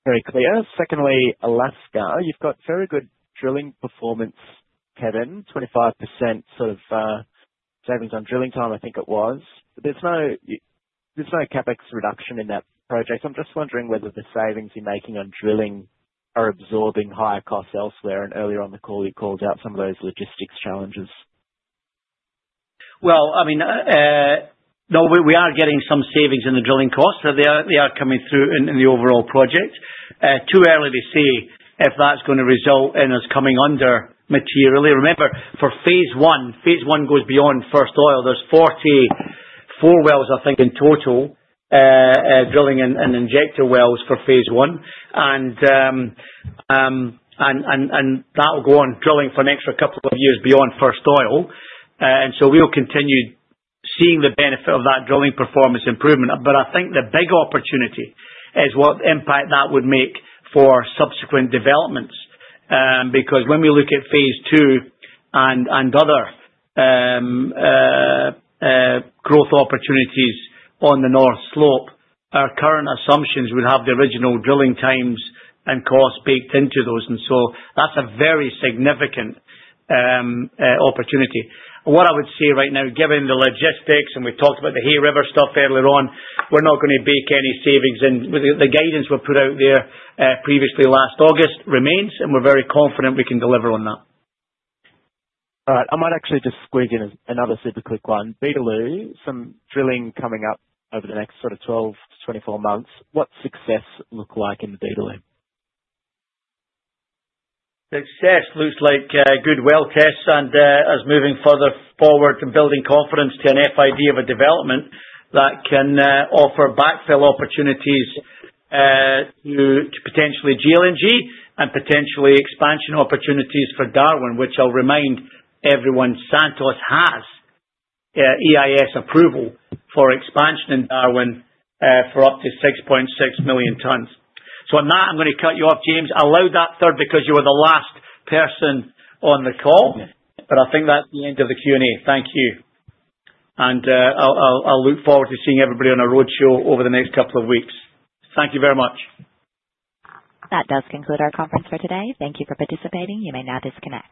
Very clear. Secondly, Alaska, you've got very good drilling performance, Kevin. 25%, sort of savings on drilling time, I think it was. There's no CapEx reduction in that project. I'm just wondering whether the savings you're making on drilling are absorbing higher costs elsewhere, and earlier on the call, you called out some of those logistics challenges. I mean, no, we are getting some savings in the drilling costs that are coming through in the overall project. Too early to say if that's going to result in us coming under materially. Remember, for Phase One, Phase One goes beyond first oil. There's 44 wells, I think, in total drilling and injector wells for Phase One. And that will go on drilling for an extra couple of years beyond first oil. And so we'll continue seeing the benefit of that drilling performance improvement. But I think the big opportunity is what impact that would make for subsequent developments. Because when we look at Phase Two and other growth opportunities on the North Slope, our current assumptions would have the original drilling times and costs baked into those. And so that's a very significant opportunity. What I would say right now, given the logistics, and we talked about the Hay River stuff earlier on, we're not going to bake any savings in. The guidance we put out there previously last August remains, and we're very confident we can deliver on that. All right. I might actually just squeeze in another super quick one. Beetaloo, some drilling coming up over the next sort of 12-24 months. What's success look like in the Beetaloo? Success looks like good well tests and us moving further forward and building confidence to an FID of a development that can offer backfill opportunities to potentially GLNG and potentially expansion opportunities for Darwin, which I'll remind everyone Santos has EIS approval for expansion in Darwin for up to 6.6 million tons, so on that, I'm going to cut you off, James. I'll allow that third because you were the last person on the call, but I think that's the end of the Q&A. Thank you, and I'll look forward to seeing everybody on a roadshow over the next couple of weeks. Thank you very much. That does conclude our conference for today. Thank you for participating. You may now disconnect.